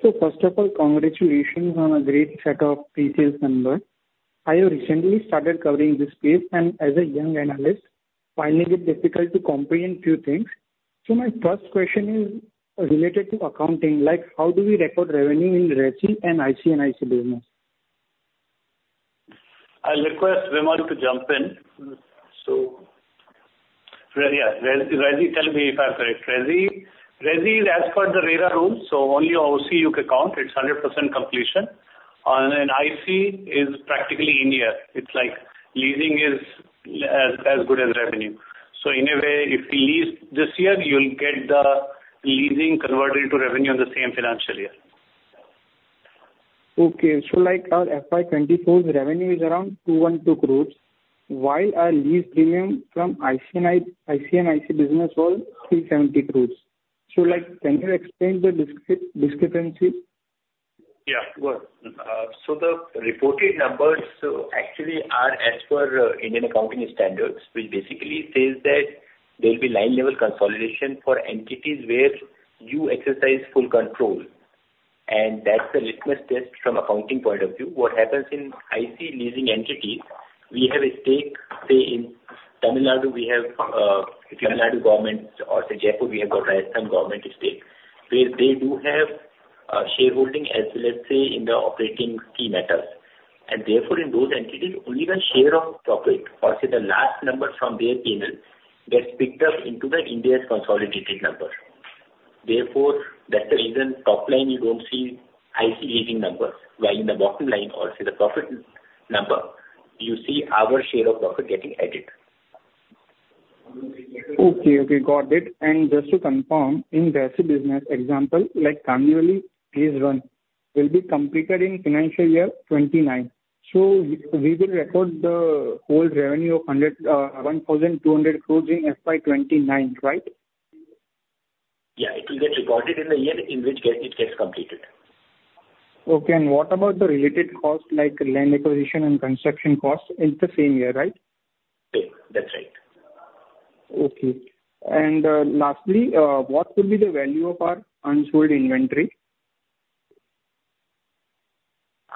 So first of all, congratulations on a great set of pre-sales numbers. I have recently started covering this space, and as a young analyst, finding it difficult to comprehend few things. So my first question is related to accounting. How do we record revenue in resi and IC and IC business? I'll request Vimal to jump in. So yeah, resi, tell me if I'm correct. Resi is as per the RERA rules, so only OC you can count. It's 100% completion. And then IC is practically in here. It's like leasing is as good as revenue. So in a way, if you lease this year, you'll get the leasing converted into revenue in the same financial year. Okay. So our FY24 revenue is around 212 crores, while our lease premium from IC and IC business was 370 crores. So can you explain the discrepancy? Yeah. Go ahead. So the reported numbers actually are as per Indian accounting standards, which basically says that there'll be line-level consolidation for entities where you exercise full control. And that's a litmus test from an accounting point of view. What happens in IC leasing entities, we have a stake, say, in Tamil Nadu, we have if Tamil Nadu government or say, Jaipur, we have got Rajasthan government stake where they do have shareholding as well, let's say, in the operating key matters. And therefore, in those entities, only the share of profit or say, the last number from their payments gets picked up into that India's consolidated number. Therefore, that's the reason top line you don't see IC leasing numbers, while in the bottom line or say, the profit number, you see our share of profit getting added. Okay. Okay. Got it. And just to confirm, in resi business, example like Kandivali Vista, will be completed in financial year 2029. So we will record the whole revenue of 1,200 crore in FY2029, right? Yeah. It will get recorded in the year in which it gets completed. Okay. What about the related costs like land acquisition and construction costs in the same year, right? Okay. That's right. Okay. Lastly, what will be the value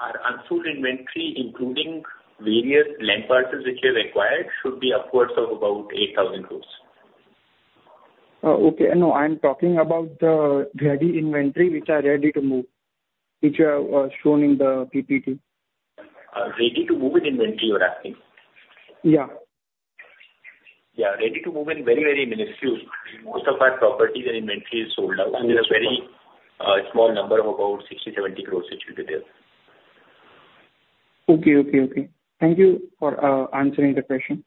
of our unsold inventory? Our unsold inventory, including various land parcels which we have acquired, should be upwards of about 8,000 crore rupees. Okay. No, I'm talking about the ready inventory which are ready to move, which you have shown in the PPT. Ready to move in inventory, you're asking? Yeah. Yeah. Ready to move in very, very minuscule. Most of our properties and inventory is sold out. There's a very small number of about 60-70 crore which will be there. Okay. Okay. Okay. Thank you for answering the question.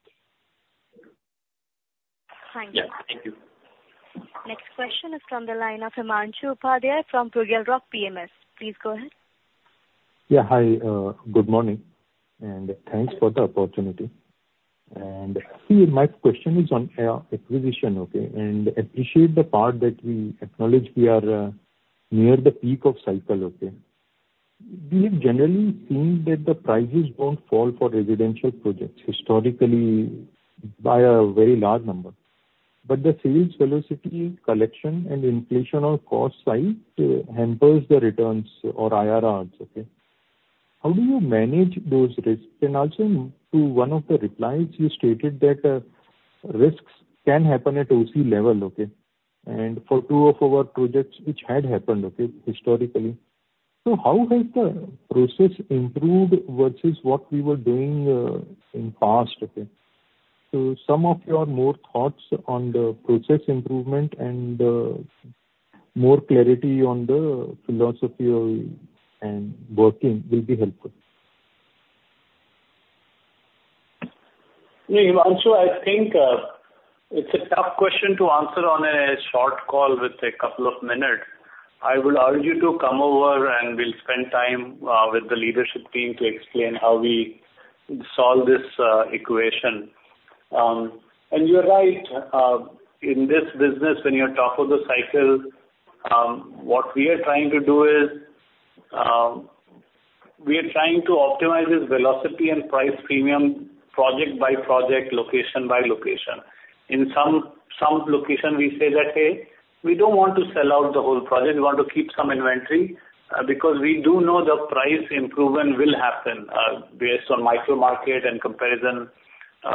Thank you. Yeah. Thank you. Next question is from the line of Himanshu Upadhyay from Bugle Rock Capital. Please go ahead. Yeah. Hi. Good morning. And thanks for the opportunity. And see, my question is on acquisition, okay? And I appreciate the part that we acknowledge we are near the peak of cycle, okay? We have generally seen that the prices don't fall for residential projects historically by a very large number. But the sales velocity, collection, and inflation on cost side hampers the returns or IRRs, okay? How do you manage those risks? And also, to one of the replies, you stated that risks can happen at OC level, okay? And for two of our projects, which had happened, okay, historically. So how has the process improved versus what we were doing in the past, okay? So some of your more thoughts on the process improvement and more clarity on the philosophy of working will be helpful. No, Himanshu, I think it's a tough question to answer on a short call with a couple of minutes. I will urge you to come over, and we'll spend time with the leadership team to explain how we solve this equation. And you're right. In this business, when you're top of the cycle, what we are trying to do is we are trying to optimize this velocity and price premium project by project, location by location. In some location, we say that, "Hey, we don't want to sell out the whole project. We want to keep some inventory because we do know the price improvement will happen based on micro-market and comparison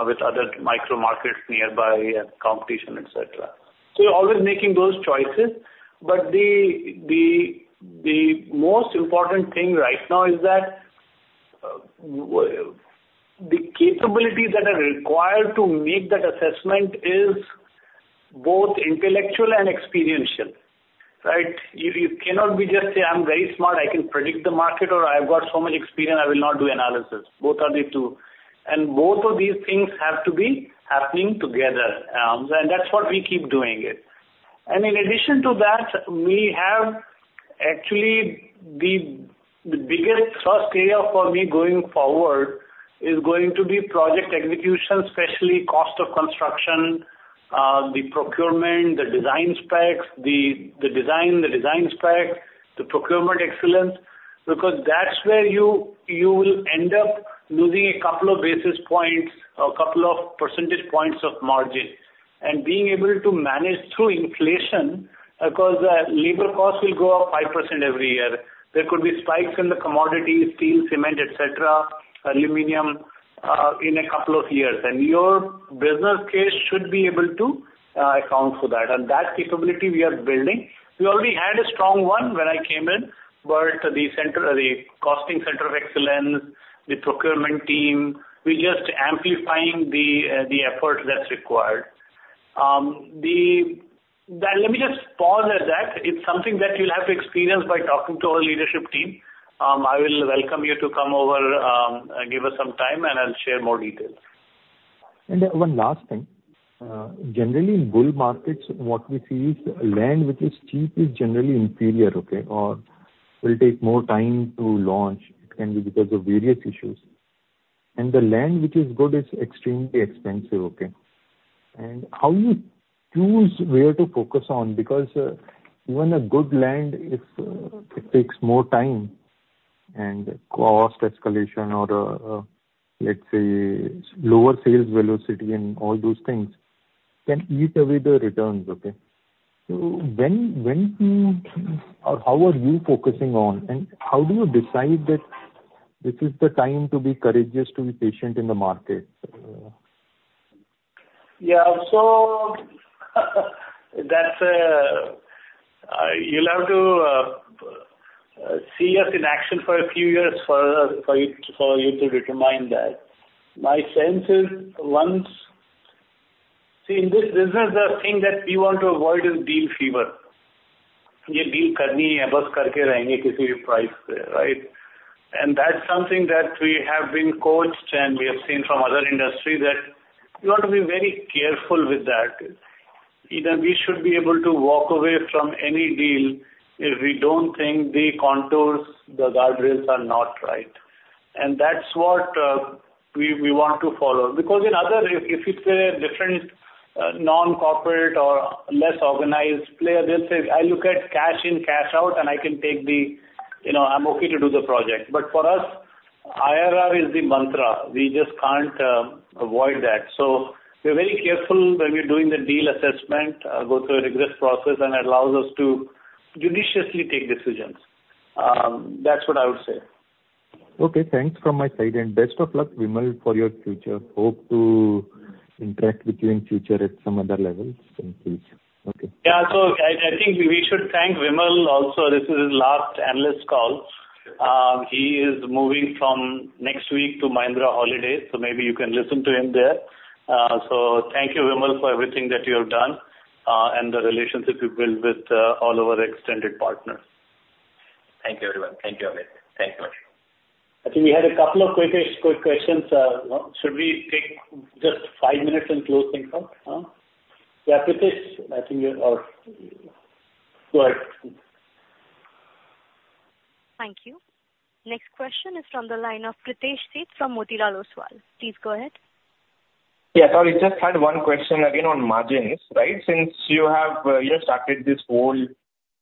with other micro-markets nearby and competition, etc." So you're always making those choices. But the most important thing right now is that the capabilities that are required to make that assessment is both intellectual and experiential, right? You cannot just say, "I'm very smart. I can predict the market," or, "I've got so much experience. I will not do analysis." Both are the two. Both of these things have to be happening together. That's what we keep doing. In addition to that, actually, the biggest trust area for me going forward is going to be project execution, especially cost of construction, the procurement, the design specs, the design specs, the procurement excellence because that's where you will end up losing a couple of basis points or a couple of percentage points of margin and being able to manage through inflation because labor costs will go up 5% every year. There could be spikes in the commodities, steel, cement, etc., aluminum in a couple of years. Your business case should be able to account for that. That capability, we are building. We already had a strong one when I came in, but the costing center of excellence, the procurement team, we're just amplifying the effort that's required. Let me just pause at that. It's something that you'll have to experience by talking to our leadership team. I will welcome you to come over, give us some time, and I'll share more details. One last thing. Generally, in bull markets, what we see is land which is cheap is generally inferior, okay, or will take more time to launch. It can be because of various issues. The land which is good is extremely expensive, okay? How you choose where to focus on because even a good land, if it takes more time and cost escalation or, let's say, lower sales velocity and all those things can eat away the returns, okay? So when or how are you focusing on, and how do you decide that this is the time to be courageous, to be patient in the market? Yeah. So you'll have to see us in action for a few years for you to determine that. My sense is once see, in this business, the thing that we want to avoid is deal fever. "Yeah, deal करनी है, बस करके रहेंगे किसी भी price पे," right? And that's something that we have been coached, and we have seen from other industries that you want to be very careful with that. We should be able to walk away from any deal if we don't think the contours, the guardrails are not right. And that's what we want to follow because in other, if it's a different non-corporate or less organized player, they'll say, "I look at cash in, cash out, and I can take the I'm okay to do the project." But for us, IRR is the mantra. We just can't avoid that. So we're very careful when we're doing the deal assessment, go through a rigorous process, and it allows us to judiciously take decisions. That's what I would say. Okay. Thanks from my side. And best of luck, Vimal, for your future. Hope to interact with you in the future at some other levels. Thank you. Okay. Yeah. So I think we should thank Vimal also. This is his last analyst call. He is moving from next week to Mahindra Holidays, so maybe you can listen to him there. So thank you, Vimal, for everything that you have done and the relationship you've built with all of our extended partners. Thank you, everyone. Thank you, Aditya. Thanks so much. I think we had a couple of quick questions. Should we take just five minutes and close things out? Yeah. Pritesh, I think you're go ahead. Thank you. Next question is from the line of Pritesh Sheth from Motilal Oswal. Please go ahead. Yeah. Sorry. Just had one question again on margins, right? Since you have started this whole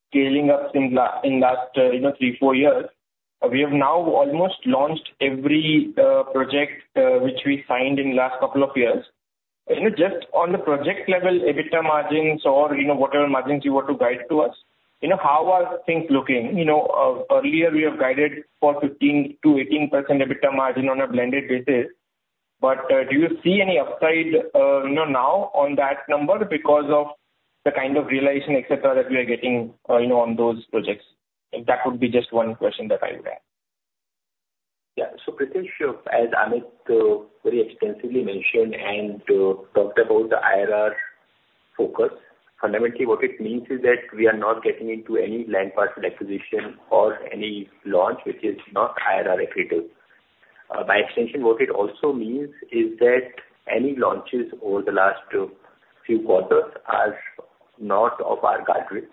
scaling up in the last three, four years, we have now almost launched every project which we signed in the last couple of years. Just on the project level, EBITDA margins or whatever margins you were to guide to us, how are things looking? Earlier, we have guided for 15%-18% EBITDA margin on a blended basis. But do you see any upside now on that number because of the kind of realization, etc., that we are getting on those projects? That would be just one question that I would ask. Yeah. So Pritesh, as Amit very extensively mentioned and talked about the IRR focus, fundamentally, what it means is that we are not getting into any land parcel acquisition or any launch which is not IRR accretive. By extension, what it also means is that any launches over the last few quarters are not of our guardrails.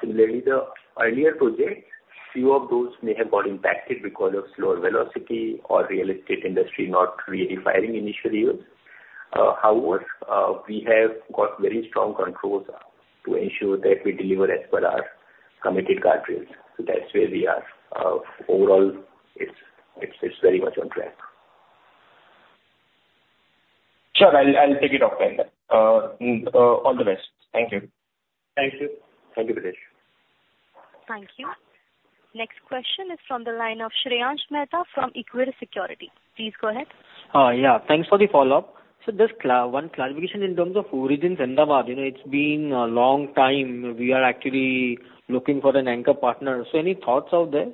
Similarly, the earlier projects, few of those may have got impacted because of slower velocity or real estate industry not really firing initially, you see. However, we have got very strong controls to ensure that we deliver as per our committed guardrails. So that's where we are. Overall, it's very much on track. Sure. I'll take it offline. All the best. Thank you. Thank you. Thank you, Pritesh. Thank you. Next question is from the line of Shreyans Mehta from Equirus Securities. Please go ahead. Yeah. Thanks for the follow-up. So just one clarification in terms of Origins, Ahmedabad. It's been a long time. We are actually looking for an anchor partner. So any thoughts out there?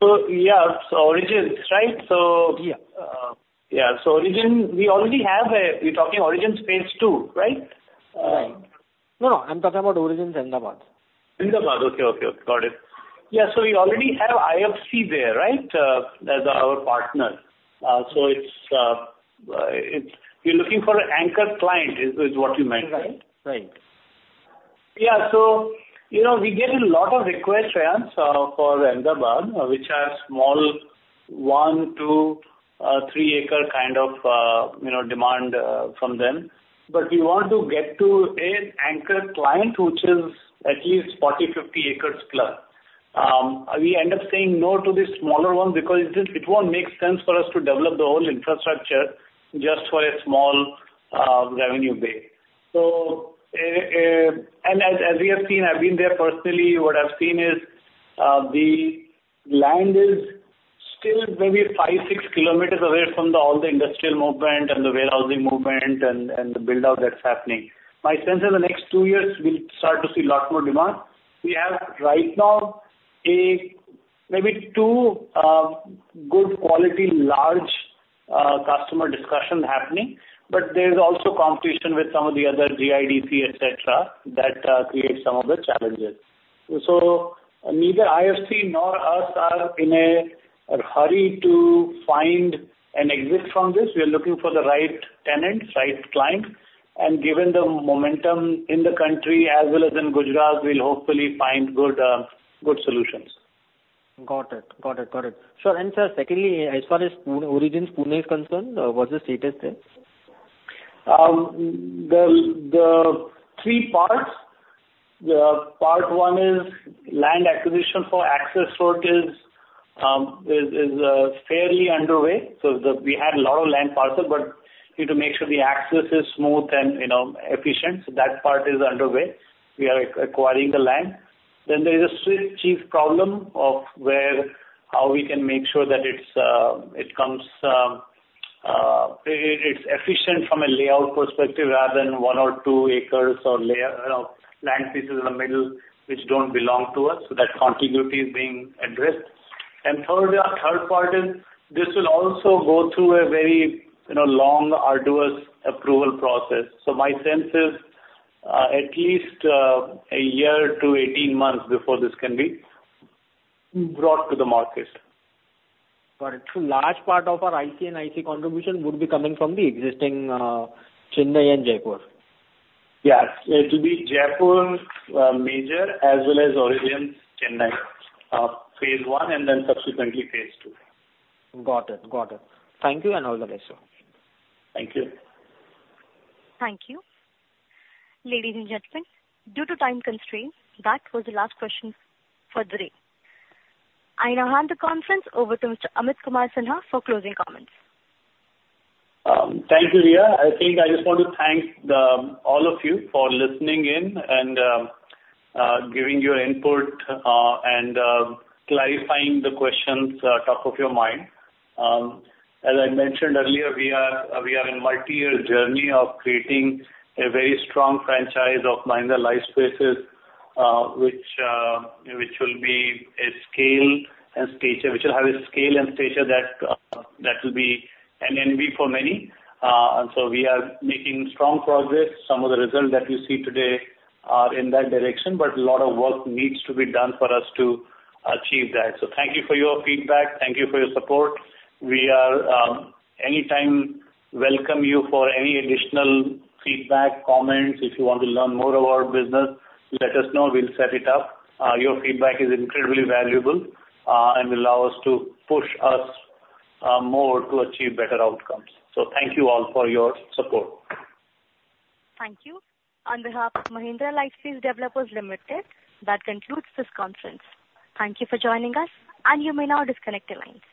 So yeah. So Origins, right? So yeah. So Origins, we already have. You're talking Origins phase two, right? Right. No, no. I'm talking about Origins, Ahmedabad. Ahmedabad. Okay. Okay. Got it. Yeah. So we already have IFC there, right, as our partner. So you're looking for an anchor client is what you mentioned. Right. Right. Yeah. So we get a lot of requests, Shreyans, for Ahmedabad, which are small 1-, 2-, 3-acre kind of demand from them. We want to get to an anchor client which is at least 40-50 acres+. We end up saying no to these smaller ones because it won't make sense for us to develop the whole infrastructure just for a small revenue base. As we have seen, I've been there personally, what I've seen is the land is still maybe 5-6 km away from all the industrial movement and the warehousing movement and the build-out that's happening. My sense is the next 2 years, we'll start to see a lot more demand. We have right now maybe 2 good-quality, large customer discussions happening. But there's also competition with some of the other GIDC, etc., that creates some of the challenges. Neither IFC nor us are in a hurry to find an exit from this. We are looking for the right tenants, right clients. Given the momentum in the country as well as in Gujarat, we'll hopefully find good solutions. Got it. Got it. Got it. Sure. And sir, secondly, as far as Origins Pune is concerned, what's the status there? The three parts. Part one is land acquisition for access road is fairly underway. So we had a lot of land parcel, but we need to make sure the access is smooth and efficient. So that part is underway. We are acquiring the land. Then there is a stitching problem of how we can make sure that it comes, it's efficient from a layout perspective rather than one or two acres or land pieces in the middle which don't belong to us. So that contiguity is being addressed. And third part is this will also go through a very long, arduous approval process. So my sense is at least a year to 18 months before this can be brought to the market. Got it. So large part of our IC and IC contribution would be coming from the existing Chennai and Jaipur. Yes. It will be Jaipur major as well as Origins, Chennai phase one, and then subsequently phase two. Got it. Got it. Thank you, and all the best, sir. Thank you. Thank you. Ladies and gentlemen, due to time constraints, that was the last question for today. I now hand the conference over to Mr. Amit Kumar Sinha for closing comments. Thank you, Rhea. I think I just want to thank all of you for listening in and giving your input and clarifying the questions top of your mind. As I mentioned earlier, we are in a multi-year journey of creating a very strong franchise of Mahindra Lifespace which will be a scale and stature which will have a scale and stature that will be an envy for many. And so we are making strong progress. Some of the results that you see today are in that direction, but a lot of work needs to be done for us to achieve that. So thank you for your feedback. Thank you for your support. We are anytime welcome you for any additional feedback, comments. If you want to learn more about our business, let us know. We'll set it up. Your feedback is incredibly valuable and will allow us to push us more to achieve better outcomes. So thank you all for your support. Thank you. On behalf of Mahindra Lifespace Developers Limited, that concludes this conference. Thank you for joining us, and you may now disconnect the line.